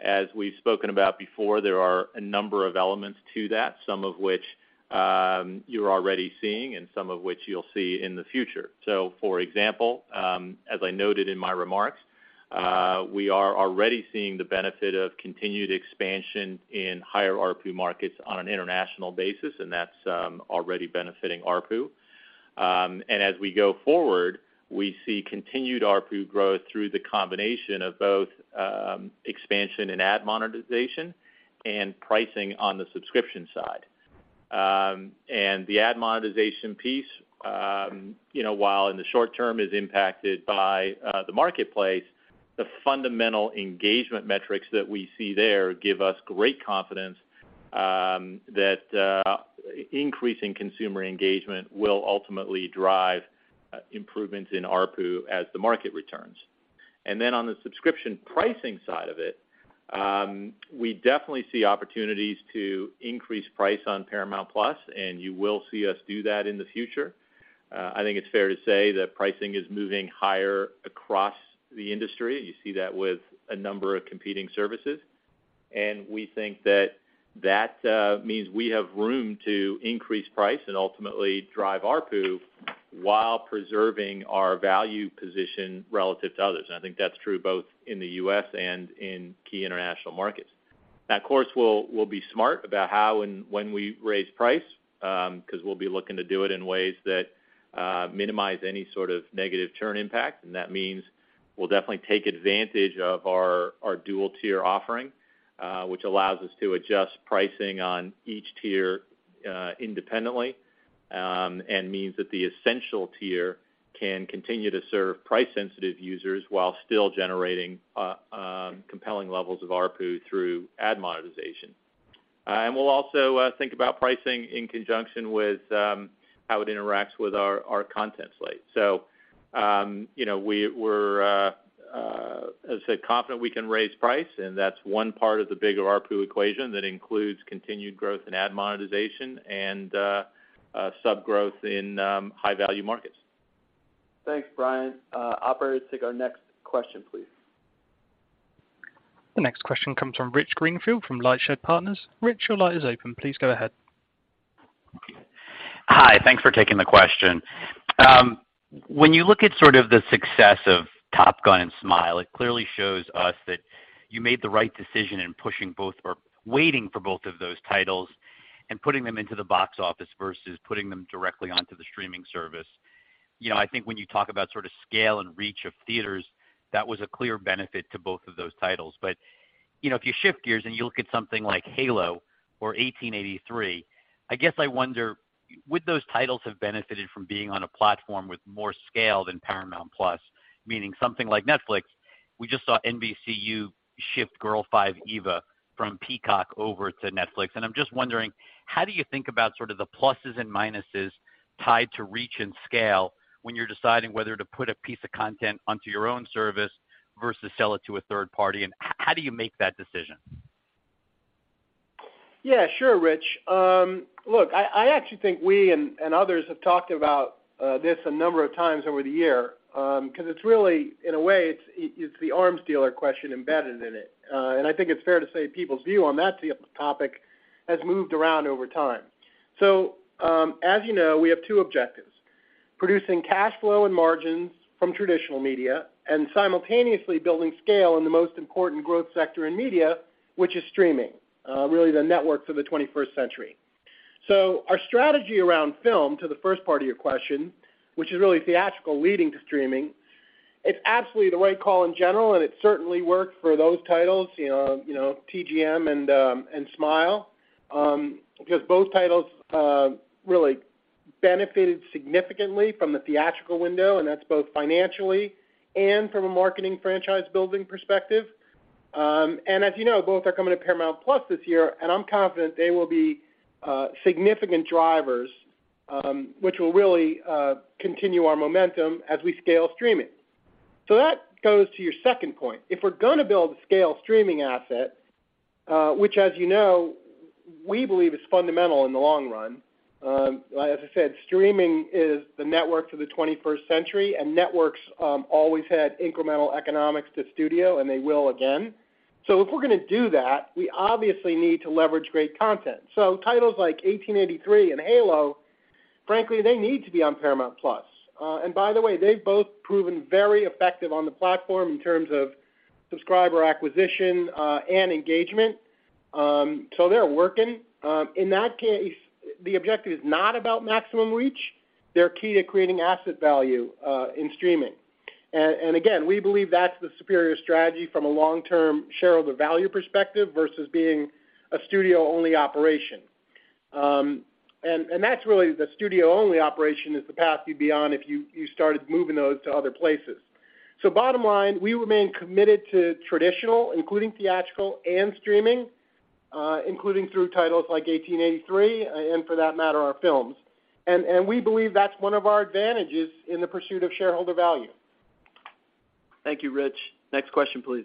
[SPEAKER 4] As we've spoken about before, there are a number of elements to that, some of which you're already seeing and some of which you'll see in the future. For example, as I noted in my remarks, we are already seeing the benefit of continued expansion in higher ARPU markets on an international basis, and that's already benefiting ARPU. As we go forward, we see continued ARPU growth through the combination of both expansion in ad monetization and pricing on the subscription side. The ad-monetization piece, you know, while in the short term is impacted by the marketplace, the fundamental engagement metrics that we see there give us great confidence that increasing consumer engagement will ultimately drive improvements in ARPU as the market returns. On the subscription pricing side of it, we definitely see opportunities to increase price on Paramount+, and you will see us do that in the future. I think it's fair to say that pricing is moving higher across the industry. You see that with a number of competing services. We think that means we have room to increase price and ultimately drive ARPU while preserving our value position relative to others. I think that's true both in the U.S. and in key international markets. Now, of course, we'll be smart about how and when we raise price, because we'll be looking to do it in ways that minimize any sort of negative churn impact. That means we'll definitely take advantage of our dual-tier offering, which allows us to adjust pricing on each tier independently, and means that the essential tier can continue to serve price-sensitive users while still generating compelling levels of ARPU through ad monetization. We'll also think about pricing in conjunction with how it interacts with our content slate. You know, we're, as I said, confident we can raise price, and that's one part of the bigger ARPU equation that includes continued growth in ad monetization and sub growth in high-value markets.
[SPEAKER 2] Thanks, Bryan. Operator, take our next question, please.
[SPEAKER 1] The next question comes from Rich Greenfield from LightShed Partners. Rich, your line is open. Please go ahead.
[SPEAKER 7] Hi. Thanks for taking the question. When you look at sort of the success of Top Gun and Smile, it clearly shows us that you made the right decision in pushing both or waiting for both of those titles and putting them into the box office versus putting them directly onto the streaming service. You know, I think when you talk about sort of scale and reach of theaters, that was a clear benefit to both of those titles. You know, if you shift gears and you look at something like Halo or 1883, I guess I wonder, would those titles have benefited from being on a platform with more scale than Paramount+, meaning something like Netflix? We just saw NBCU shift Girls5eva from Peacock over to Netflix, and I'm just wondering, how do you think about sort of the pluses and minuses tied to reach and scale when you're deciding whether to put a piece of content onto your own service versus sell it to a third party? How do you make that decision?
[SPEAKER 3] Yeah, sure, Rich. Look, I actually think we and others have talked about this a number of times over the year, because it's really, in a way, it's the arms dealer question embedded in it. I think it's fair to say people's view on that topic has moved around over time. As you know, we have two objectives, producing cash flow and margins from traditional media and simultaneously building scale in the most important growth sector in media, which is streaming, really the network for the twenty-first century. Our strategy around film to the first part of your question, which is really theatrical leading to streaming, it's absolutely the right call in general, and it certainly worked for those titles, you know, TGM and Smile. Because both titles really benefited significantly from the theatrical window, and that's both financially and from a marketing franchise building perspective. As you know, both are coming to Paramount+ this year, and I'm confident they will be significant drivers, which will really continue our momentum as we scale streaming. That goes to your second point. If we're gonna build a scale streaming asset, which as you know, we believe is fundamental in the long run. As I said, streaming is the network for the twenty-first century, and networks always had incremental economics to studio, and they will again. If we're gonna do that, we obviously need to leverage great content. Titles like 1883 and Halo, frankly, they need to be on Paramount+. By the way, they've both proven very effective on the platform in terms of subscriber acquisition, and engagement. So they're working. In that case, the objective is not about maximum reach. They're key to creating asset value, in streaming. Again, we believe that's the superior strategy from a long-term shareholder value perspective versus being a studio-only operation. That's really the studio-only operation is the path you'd be on if you started moving those to other places. Bottom line, we remain committed to traditional, including theatrical and streaming, including through titles like 1883, and for that matter, our films. We believe that's one of our advantages in the pursuit of shareholder value.
[SPEAKER 2] Thank you, Rich. Next question, please.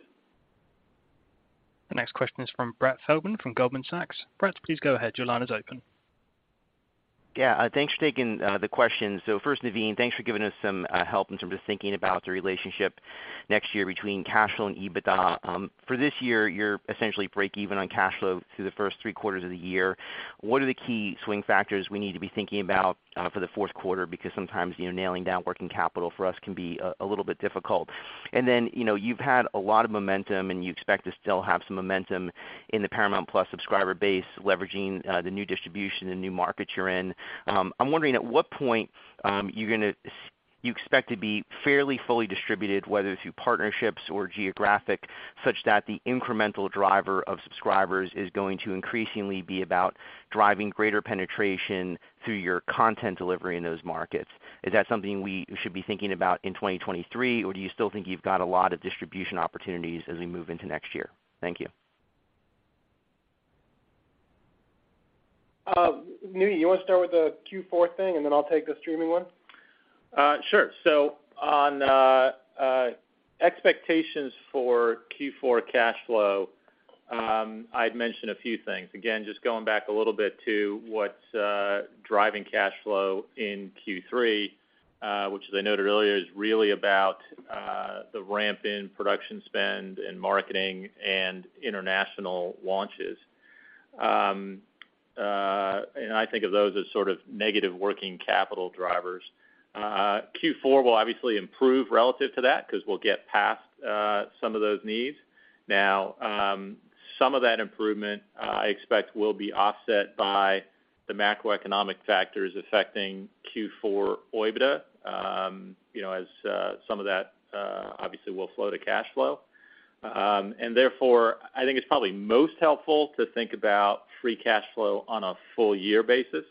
[SPEAKER 1] The next question is from Brett Feldman from Goldman Sachs. Brett, please go ahead. Your line is open.
[SPEAKER 8] Yeah, thanks for taking the question. First, Naveen, thanks for giving us some help in terms of thinking about the relationship next year between cash flow and EBITDA. For this year, you're essentially break even on cash flow through the first Q3s of the year. What are the key swing factors we need to be thinking about for the fourth quarter? Because sometimes, you know, nailing down working capital for us can be a little bit difficult. Then, you know, you've had a lot of momentum, and you expect to still have some momentum in the Paramount+ subscriber base, leveraging the new distribution and new markets you're in. I'm wondering at what point you expect to be fairly fully distributed, whether through partnerships or geographically, such that the incremental driver of subscribers is going to increasingly be about driving greater penetration through your content delivery in those markets. Is that something you should be thinking about in 2023, or do you still think you've got a lot of distribution opportunities as we move into next year? Thank you.
[SPEAKER 3] Naveen, you wanna start with the Q4 thing, and then I'll take the streaming one.
[SPEAKER 4] Sure. So on expectations for Q4 cash flow, I'd mention a few things. Again, just going back a little bit to what's driving cash flow in Q3, which as I noted earlier, is really about the ramp in production spend and marketing and international launches. I think of those as sort of negative working capital drivers. Q4 will obviously improve relative to that because we'll get past some of those needs. Now, some of that improvement, I expect will be offset by the macroeconomic factors affecting Q4 OIBDA, you know, as some of that obviously will flow to cash flow. Therefore, I think it's probably most helpful to think about Free Cash Flow on a full year basis.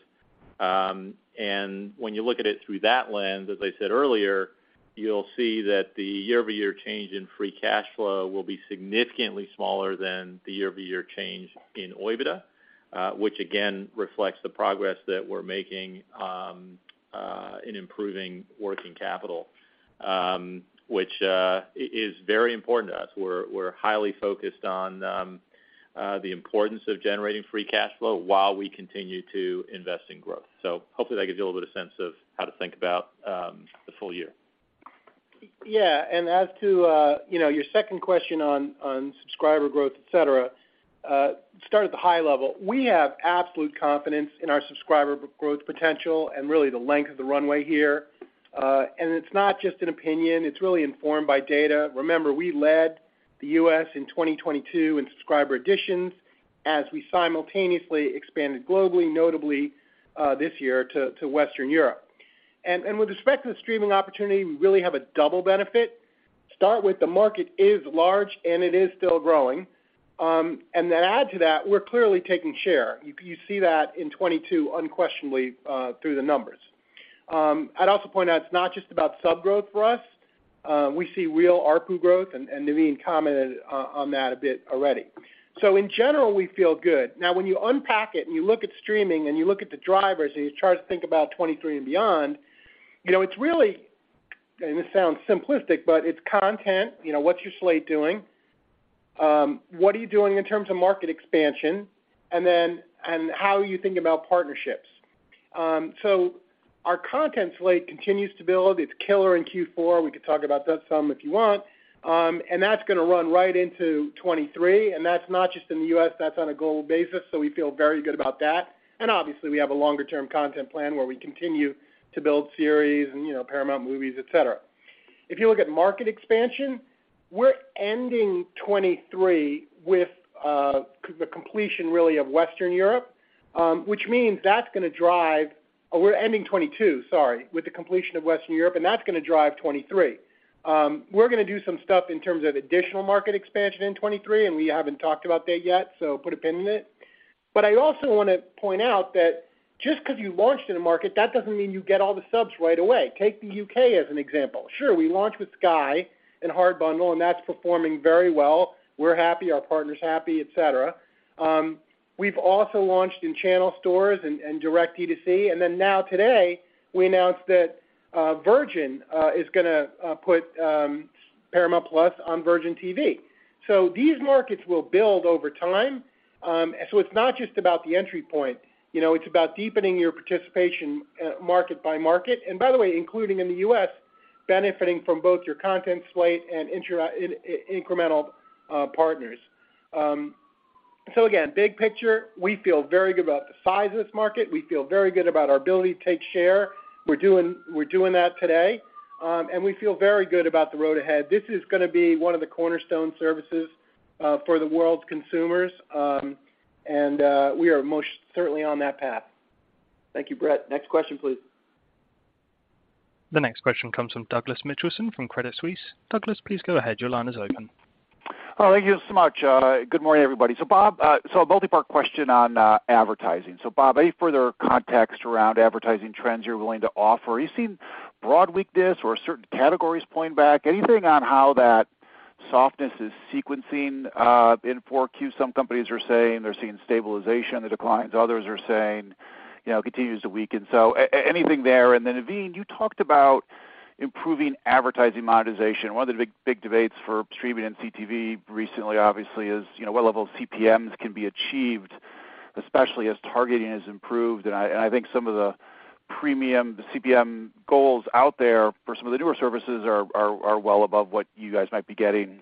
[SPEAKER 4] When you look at it through that lens, as I said earlier, you'll see that the year-over-year change in Free Cash Flow will be significantly smaller than the year-over-year change in OIBDA, which again reflects the progress that we're making in improving working capital, which is very important to us. We're highly focused on the importance of generating Free Cash Flow while we continue to invest in growth. Hopefully that gives you a little bit of sense of how to think about the full year.
[SPEAKER 3] Yeah. As to, you know, your second question on subscriber growth, etc, start at the high level. We have absolute confidence in our subscriber growth potential and really the length of the runway here. It's not just an opinion, it's really informed by data. Remember, we led the U.S. in 2022 in subscriber additions as we simultaneously expanded globally, notably, this year to Western Europe. With respect to the streaming opportunity, we really have a double benefit. Start with the market is large, and it is still growing. Then add to that, we're clearly taking share. You see that in 2022 unquestionably, through the numbers. I'd also point out it's not just about sub growth for us. We see real ARPU growth, and Naveen commented on that a bit already. In general, we feel good. Now when you unpack it, and you look at streaming, and you look at the drivers, and you try to think about 2023 and beyond, you know, it's really, and this sounds simplistic, but it's content. You know, what's your slate doing? What are you doing in terms of market expansion? And how are you thinking about partnerships? Our content slate continues to build. It's killer in Q4. We could talk about that some if you want. That's gonna run right into 2023, and that's not just in the U.S., that's on a global basis, so we feel very good about that. Obviously we have a longer term content plan where we continue to build series and, you know, Paramount movies, etc. If you look at market expansion, we're ending 2022, sorry, with the completion of Western Europe, and that's gonna drive 2023. We're gonna do some stuff in terms of additional market expansion in 2023, and we haven't talked about that yet, so put a pin in it. I also wanna point out that just 'cause you launched in a market, that doesn't mean you get all the subs right away. Take the U.K. as an example. Sure, we launched with Sky in hard bundle, and that's performing very well. We're happy, our partner's happy, etc. We've also launched in channel stores and direct D2C. Now today we announced that Virgin is gonna put Paramount+ on Virgin TV. These markets will build over time. It's not just about the entry point. You know, it's about deepening your participation market by market. By the way, including in the U.S., benefiting from both your content slate and incremental partners. Again, big picture, we feel very good about the size of this market. We feel very good about our ability to take share. We're doing that today. We feel very good about the road ahead. This is gonna be one of the cornerstone services for the world's consumers. We are most certainly on that path.
[SPEAKER 2] Thank you, Brett. Next question, please.
[SPEAKER 1] The next question comes from Douglas Mitchelson from Credit Suisse. Douglas, please go ahead. Your line is open.
[SPEAKER 9] Oh, thank you so much. Good morning, everybody. Bob, a multi-part question on advertising. Bob, any further context around advertising trends you're willing to offer? Are you seeing broad weakness or certain categories pulling back? Anything on how that softness is sequencing in 4Q? Some companies are saying they're seeing stabilization, the declines. Others are saying, you know, it continues to weaken. Anything there. Then Naveen, you talked about improving advertising monetization. One of the big, big debates for streaming and CTV recently obviously is, you know, what level of CPMs can be achieved, especially as targeting has improved. I think some of the premium, the CPM goals out there for some of the newer services are well above what you guys might be getting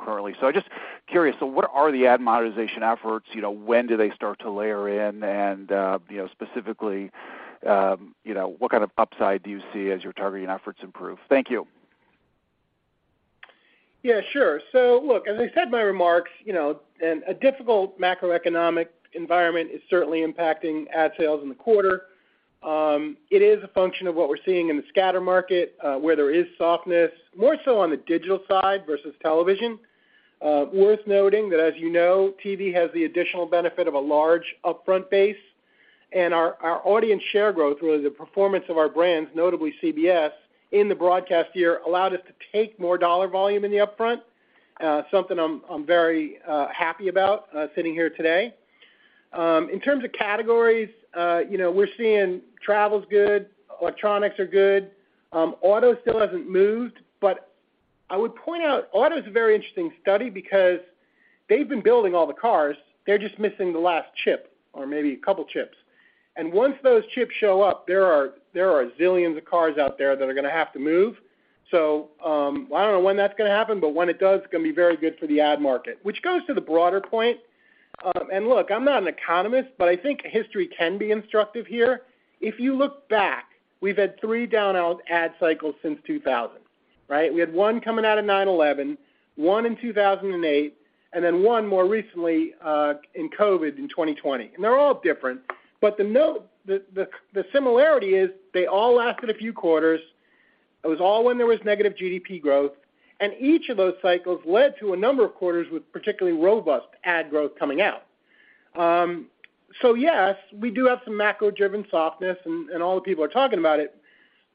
[SPEAKER 9] currently. I'm just curious, so what are the ad monetization efforts? You know, when do they start to layer in? And, you know, specifically, you know, what kind of upside do you see as your targeting efforts improve? Thank you.
[SPEAKER 3] Yeah, sure. Look, as I said in my remarks, you know, and a difficult macroeconomic environment is certainly impacting ad sales in the quarter. It is a function of what we're seeing in the scatter market, where there is softness, more so on the digital side versus television. Worth noting that as you know, TV has the additional benefit of a large upfront base. Our audience share growth or the performance of our brands, notably CBS, in the broadcast year allowed us to take more dollar volume in the upfront. Something I'm very happy about, sitting here today. In terms of categories, you know, we're seeing travel's good, electronics are good. Auto still hasn't moved, but I would point out auto's a very interesting study because they've been building all the cars. They're just missing the last chip or maybe a couple chips. Once those chips show up, there are a zillion of cars out there that are gonna have to move. I don't know when that's gonna happen, but when it does, it's gonna be very good for the ad market, which goes to the broader point. Look, I'm not an economist, but I think history can be instructive here. If you look back, we've had three down ad cycles since 2000, right? We had one coming out of 9/11, one in 2008, and then one more recently, in COVID in 2020. They're all different. The similarity is they all lasted a few quarters. It was all when there was negative GDP growth, and each of those cycles led to a number of quarters with particularly robust ad growth coming out. Yes, we do have some macro-driven softness, and all the people are talking about it.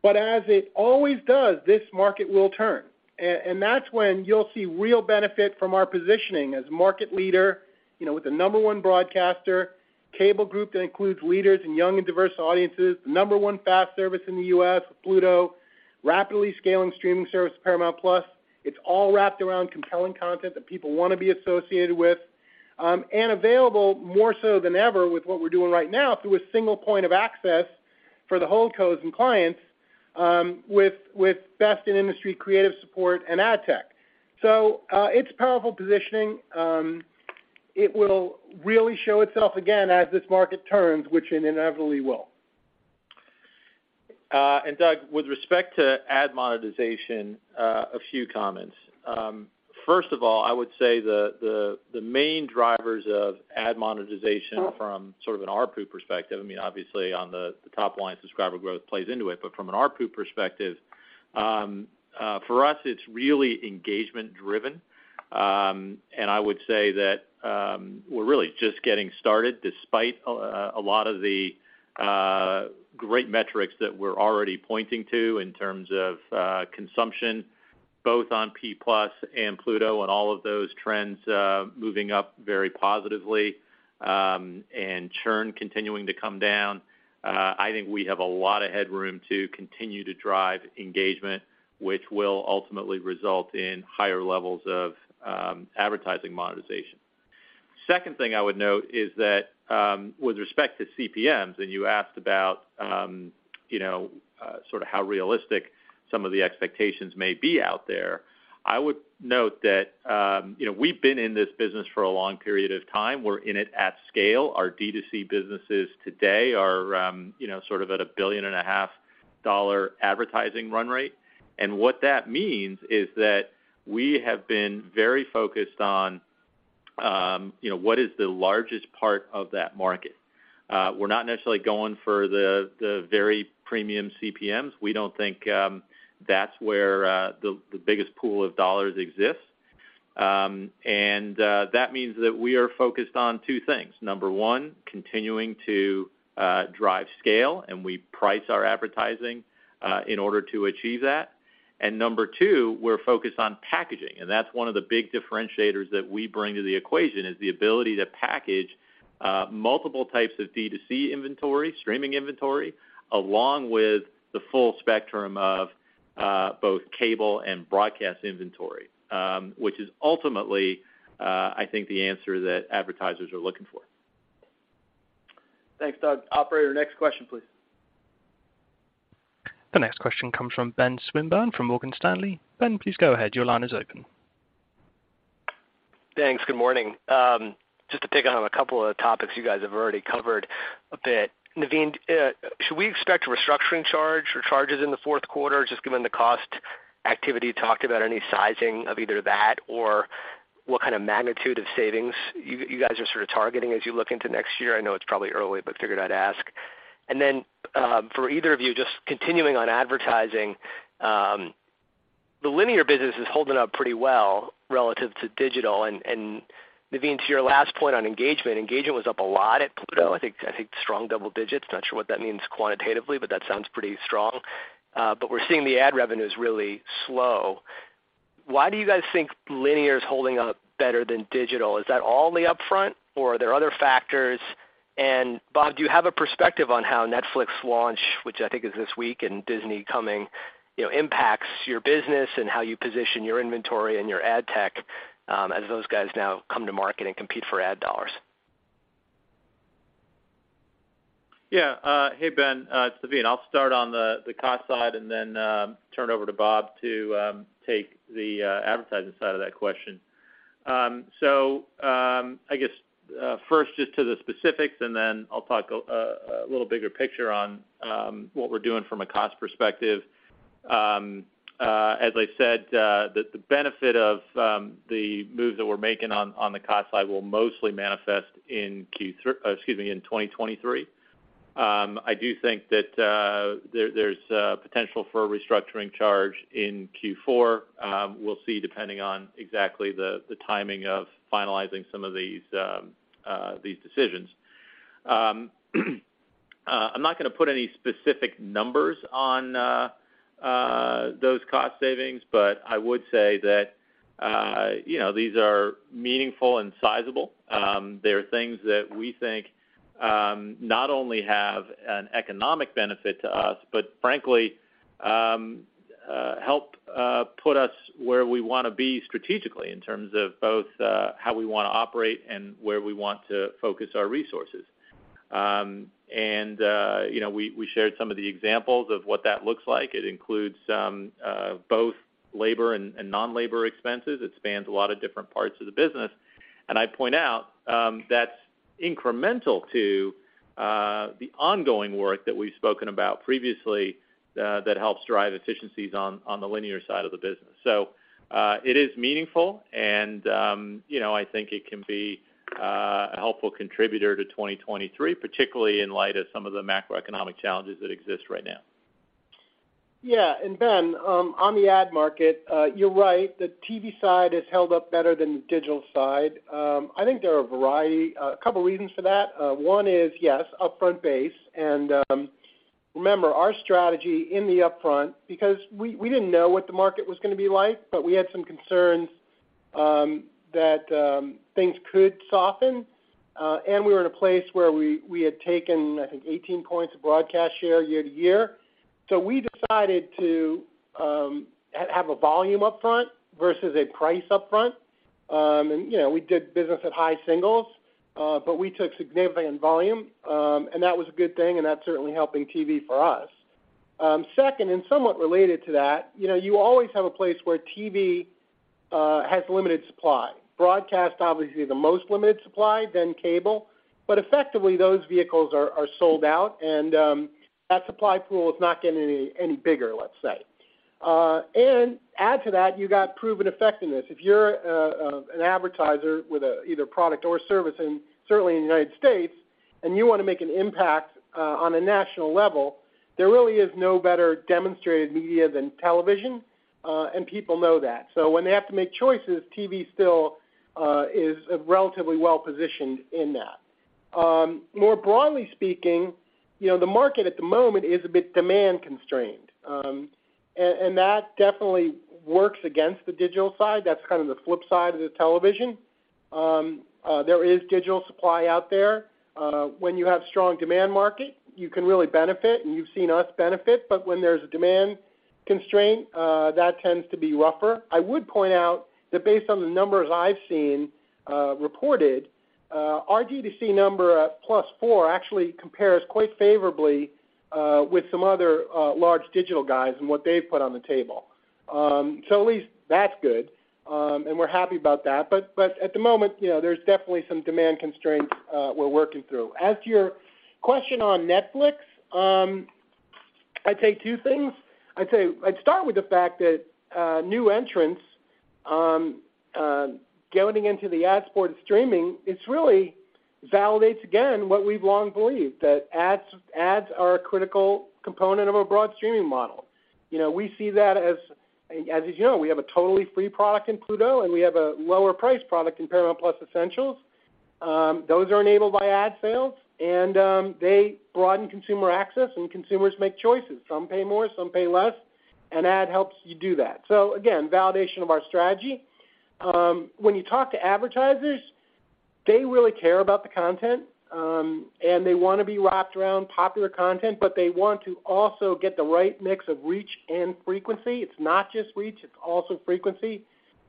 [SPEAKER 3] As it always does, this market will turn. That's when you'll see real benefit from our positioning as market leader, you know, with the number one broadcaster, cable group that includes leaders in young and diverse audiences, the number one FAST service in the U.S., Pluto, rapidly scaling streaming service, Paramount+. It's all wrapped around compelling content that people wanna be associated with, and available more so than ever with what we're doing right now through a single point of access for the whole codes and clients, with best-in-industry creative support and ad tech. It's powerful positioning. It will really show itself again as this market turns, which it inevitably will.
[SPEAKER 4] Doug, with respect to ad monetization, a few comments. First of all, I would say the main drivers of ad monetization from sort of an ARPU perspective. I mean, obviously on the top line subscriber growth plays into it, but from an ARPU perspective, for us, it's really engagement driven. I would say that we're really just getting started despite a lot of the great metrics that we're already pointing to in terms of consumption, both on P+ and Pluto and all of those trends moving up very positively, and churn continuing to come down. I think we have a lot of headroom to continue to drive engagement, which will ultimately result in higher levels of advertising monetization. Second thing I would note is that, with respect to CPMs, and you asked about, you know, sort of how realistic some of the expectations may be out there. I would note that, you know, we've been in this business for a long period of time. We're in it at scale. Our D2C businesses today are, you know, sort of at a $1.5 billion advertising run rate. And what that means is that we have been very focused on, you know, what is the largest part of that market. We're not necessarily going for the very premium CPMs. We don't think that's where the biggest pool of dollars exists. That means that we are focused on two things. Number one, continuing to drive scale, and we price our advertising in order to achieve that. Number two, we're focused on packaging, and that's one of the big differentiators that we bring to the equation is the ability to package multiple types of D2C inventory, streaming inventory, along with the full spectrum of both cable and broadcast inventory, which is ultimately I think the answer that advertisers are looking for.
[SPEAKER 2] Thanks, Doug. Operator, next question, please.
[SPEAKER 1] The next question comes from Ben Swinburne from Morgan Stanley. Ben, please go ahead. Your line is open.
[SPEAKER 10] Thanks. Good morning. Just to pick on a couple of topics you guys have already covered a bit. Naveen, should we expect a restructuring charge or charges in the fourth quarter, just given the cost activity you talked about, any sizing of either that or what kind of magnitude of savings you guys are sort of targeting as you look into next year? I know it's probably early, but figured I'd ask. Then, for either of you just continuing on advertising, the linear business is holding up pretty well relative to digital. Naveen, to your last point on engagement was up a lot at Pluto. I think strong double digits. Not sure what that means quantitatively, but that sounds pretty strong. But we're seeing the ad revenues really slow. Why do you guys think linear is holding up better than digital? Is that all in the upfront or are there other factors? Bob, do you have a perspective on how Netflix launch, which I think is this week and Disney coming, you know, impacts your business and how you position your inventory and your ad tech, as those guys now come to market and compete for ad dollars?
[SPEAKER 4] Yeah. Hey, Ben. It's Naveen. I'll start on the cost side and then turn over to Bob to take the advertising side of that question. I guess first just to the specifics and then I'll talk a little bigger picture on what we're doing from a cost perspective. As I said, the benefit of the moves that we're making on the cost side will mostly manifest in 2023. I do think that there's potential for a restructuring charge in Q4. We'll see, depending on exactly the timing of finalizing some of these decisions. I'm not gonna put any specific numbers on those cost savings, but I would say that you know these are meaningful and sizable. They're things that we think not only have an economic benefit to us, but frankly help put us where we wanna be strategically in terms of both how we wanna operate and where we want to focus our resources and you know we shared some of the examples of what that looks like. It includes both labor and non-labor expenses. It spans a lot of different parts of the business. I point out that's incremental to the ongoing work that we've spoken about previously that helps drive efficiencies on the linear side of the business. It is meaningful and, you know, I think it can be a helpful contributor to 2023, particularly in light of some of the macroeconomic challenges that exist right now.
[SPEAKER 3] Yeah. Ben, on the ad market, you're right, the TV side has held up better than the digital side. I think there are a couple reasons for that. One is, yes, upfront base. Remember our strategy in the upfront because we didn't know what the market was gonna be like, but we had some concerns that things could soften. We were in a place where we had taken, I think, 18 points of broadcast share year-over-year. So we decided to have a volume upfront versus a price upfront. You know, we did business at high singles, but we took significant volume. That was a good thing, and that's certainly helping TV for us. Second, somewhat related to that, you know, you always have a place where TV has limited supply. Broadcast, obviously the most limited supply, then cable, but effectively those vehicles are sold out and that supply pool is not getting any bigger, let's say. Add to that, you got proven effectiveness. If you're an advertiser with either a product or service, and certainly in the United States, and you wanna make an impact on a national level, there really is no better demonstrated media than television, and people know that. When they have to make choices, TV still is relatively well-positioned in that. More broadly speaking, you know, the market at the moment is a bit demand constrained. That definitely works against the digital side. That's kind of the flip side of the television. There is digital supply out there. When you have strong demand market, you can really benefit, and you've seen us benefit. But when there's a demand constraint, that tends to be rougher. I would point out that based on the numbers I've seen, reported, our D2C number at +4 actually compares quite favorably with some other large digital guys and what they've put on the table. So at least that's good, and we're happy about that. But at the moment, you know, there's definitely some demand constraints we're working through. As to your question on Netflix, I'd say two things. I'd start with the fact that new entrants going into the ad-supported streaming, it's really validates again what we've long believed, that ads are a critical component of a broad streaming model. You know, we see that as you know, we have a totally free product in Pluto, and we have a lower priced product in Paramount Plus Essentials. Those are enabled by ad sales and they broaden consumer access and consumers make choices. Some pay more, some pay less, and ad helps you do that. Again, validation of our strategy. When you talk to advertisers, they really care about the content and they wanna be wrapped around popular content, but they want to also get the right mix of reach and frequency. It's not just reach, it's also frequency.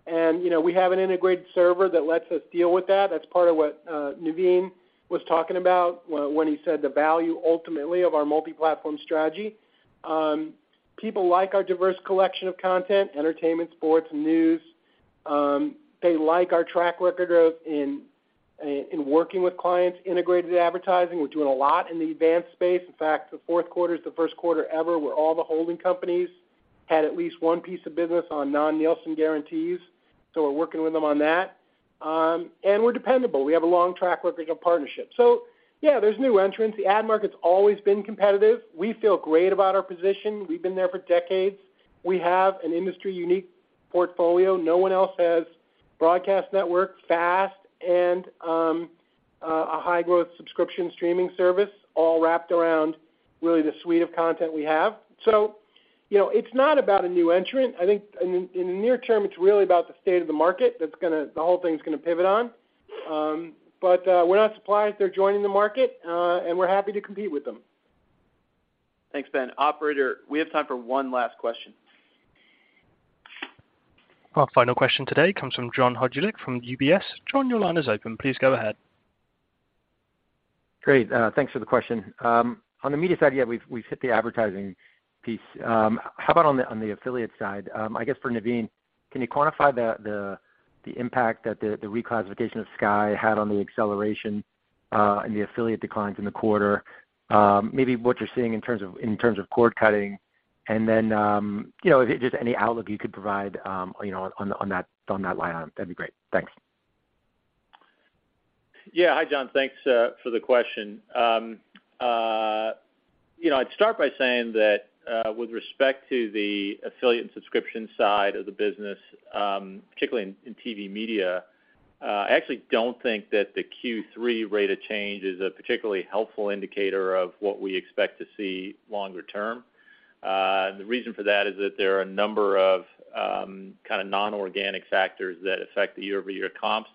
[SPEAKER 3] You know, we have an integrated server that lets us deal with that. That's part of what Naveen was talking about when he said the value ultimately of our multi-platform strategy. People like our diverse collection of content, entertainment, sports, news. They like our track record of working with clients, integrated advertising. We're doing a lot in the advanced space. In fact, the fourth quarter is the first quarter ever where all the holding companies had at least one piece of business on non-Nielsen guarantees. We're working with them on that. We're dependable. We have a long track record of partnerships. Yeah, there's new entrants. The ad market's always been competitive. We feel great about our position. We've been there for decades. We have an industry-unique portfolio. No one else has broadcast network, FAST and a high-growth subscription streaming service all wrapped around really the suite of content we have. You know, it's not about a new entrant. I think in the near term, it's really about the state of the market the whole thing's gonna pivot on. We're not surprised they're joining the market, and we're happy to compete with them.
[SPEAKER 2] Thanks, Ben. Operator, we have time for one last question.
[SPEAKER 1] Our final question today comes from John Hodulik from UBS. John, your line is open. Please go ahead.
[SPEAKER 11] Great. Thanks for the question. On the media side, yeah, we've hit the advertising piece. How about on the affiliate side? I guess for Naveen, can you quantify the impact that the reclassification of Sky had on the acceleration and the affiliate declines in the quarter? Maybe what you're seeing in terms of cord cutting, and then, you know, if just any outlook you could provide, you know, on that line item, that'd be great. Thanks.
[SPEAKER 4] Yeah. Hi, John. Thanks for the question. You know, I'd start by saying that with respect to the affiliate and subscription side of the business, particularly in TV media, I actually don't think that the Q3 rate of change is a particularly helpful indicator of what we expect to see longer term. The reason for that is that there are a number of kinda non-organic factors that affect the year-over-year comps.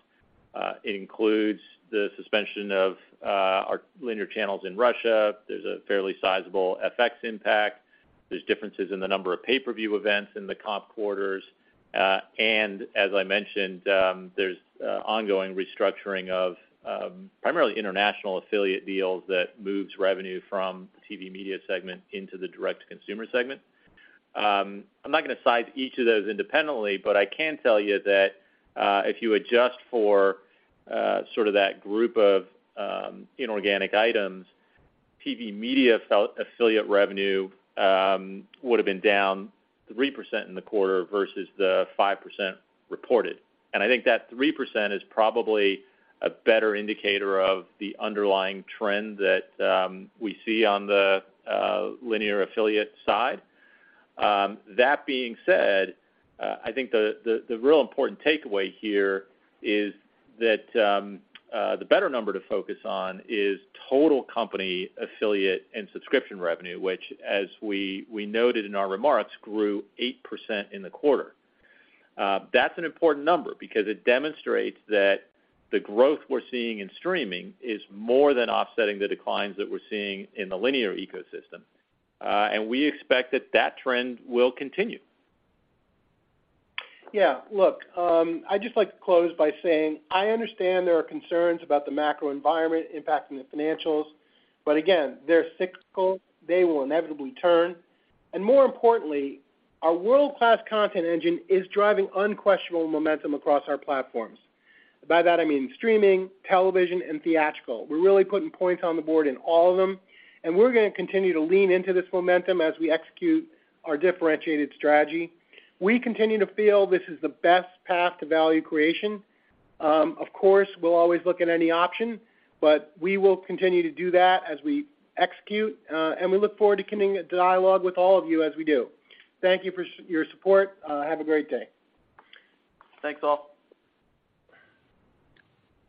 [SPEAKER 4] It includes the suspension of our linear channels in Russia. There's a fairly sizable FX impact. There's differences in the number of pay-per-view events in the comp quarters. As I mentioned, there's ongoing restructuring of primarily international affiliate deals that moves revenue from the TV media segment into the direct-to-consumer segment. I'm not gonna cite each of those independently, but I can tell you that, if you adjust for, sort of that group of, inorganic items, TV media affiliate revenue, would've been down 3% in the quarter versus the 5% reported. I think that 3% is probably a better indicator of the underlying trend that, we see on the, linear affiliate side. That being said, I think the real important takeaway here is that, the better number to focus on is total company affiliate and subscription revenue, which, as we, noted in our remarks, grew 8% in the quarter. That's an important number because it demonstrates that the growth we're seeing in streaming is more than offsetting the declines that we're seeing in the linear ecosystem. We expect that trend will continue.
[SPEAKER 3] Yeah. Look, I'd just like to close by saying I understand there are concerns about the macro environment impacting the financials, but again, they're cyclical. They will inevitably turn. More importantly, our world-class content engine is driving unquestionable momentum across our platforms. By that, I mean streaming, television, and theatrical. We're really putting points on the board in all of them, and we're gonna continue to lean into this momentum as we execute our differentiated strategy. We continue to feel this is the best path to value creation. Of course, we'll always look at any option, but we will continue to do that as we execute, and we look forward to continuing a dialogue with all of you as we do. Thank you for your support. Have a great day.
[SPEAKER 2] Thanks, all.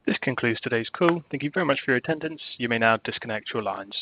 [SPEAKER 1] This concludes today's call. Thank you very much for your attendance. You may now disconnect your lines.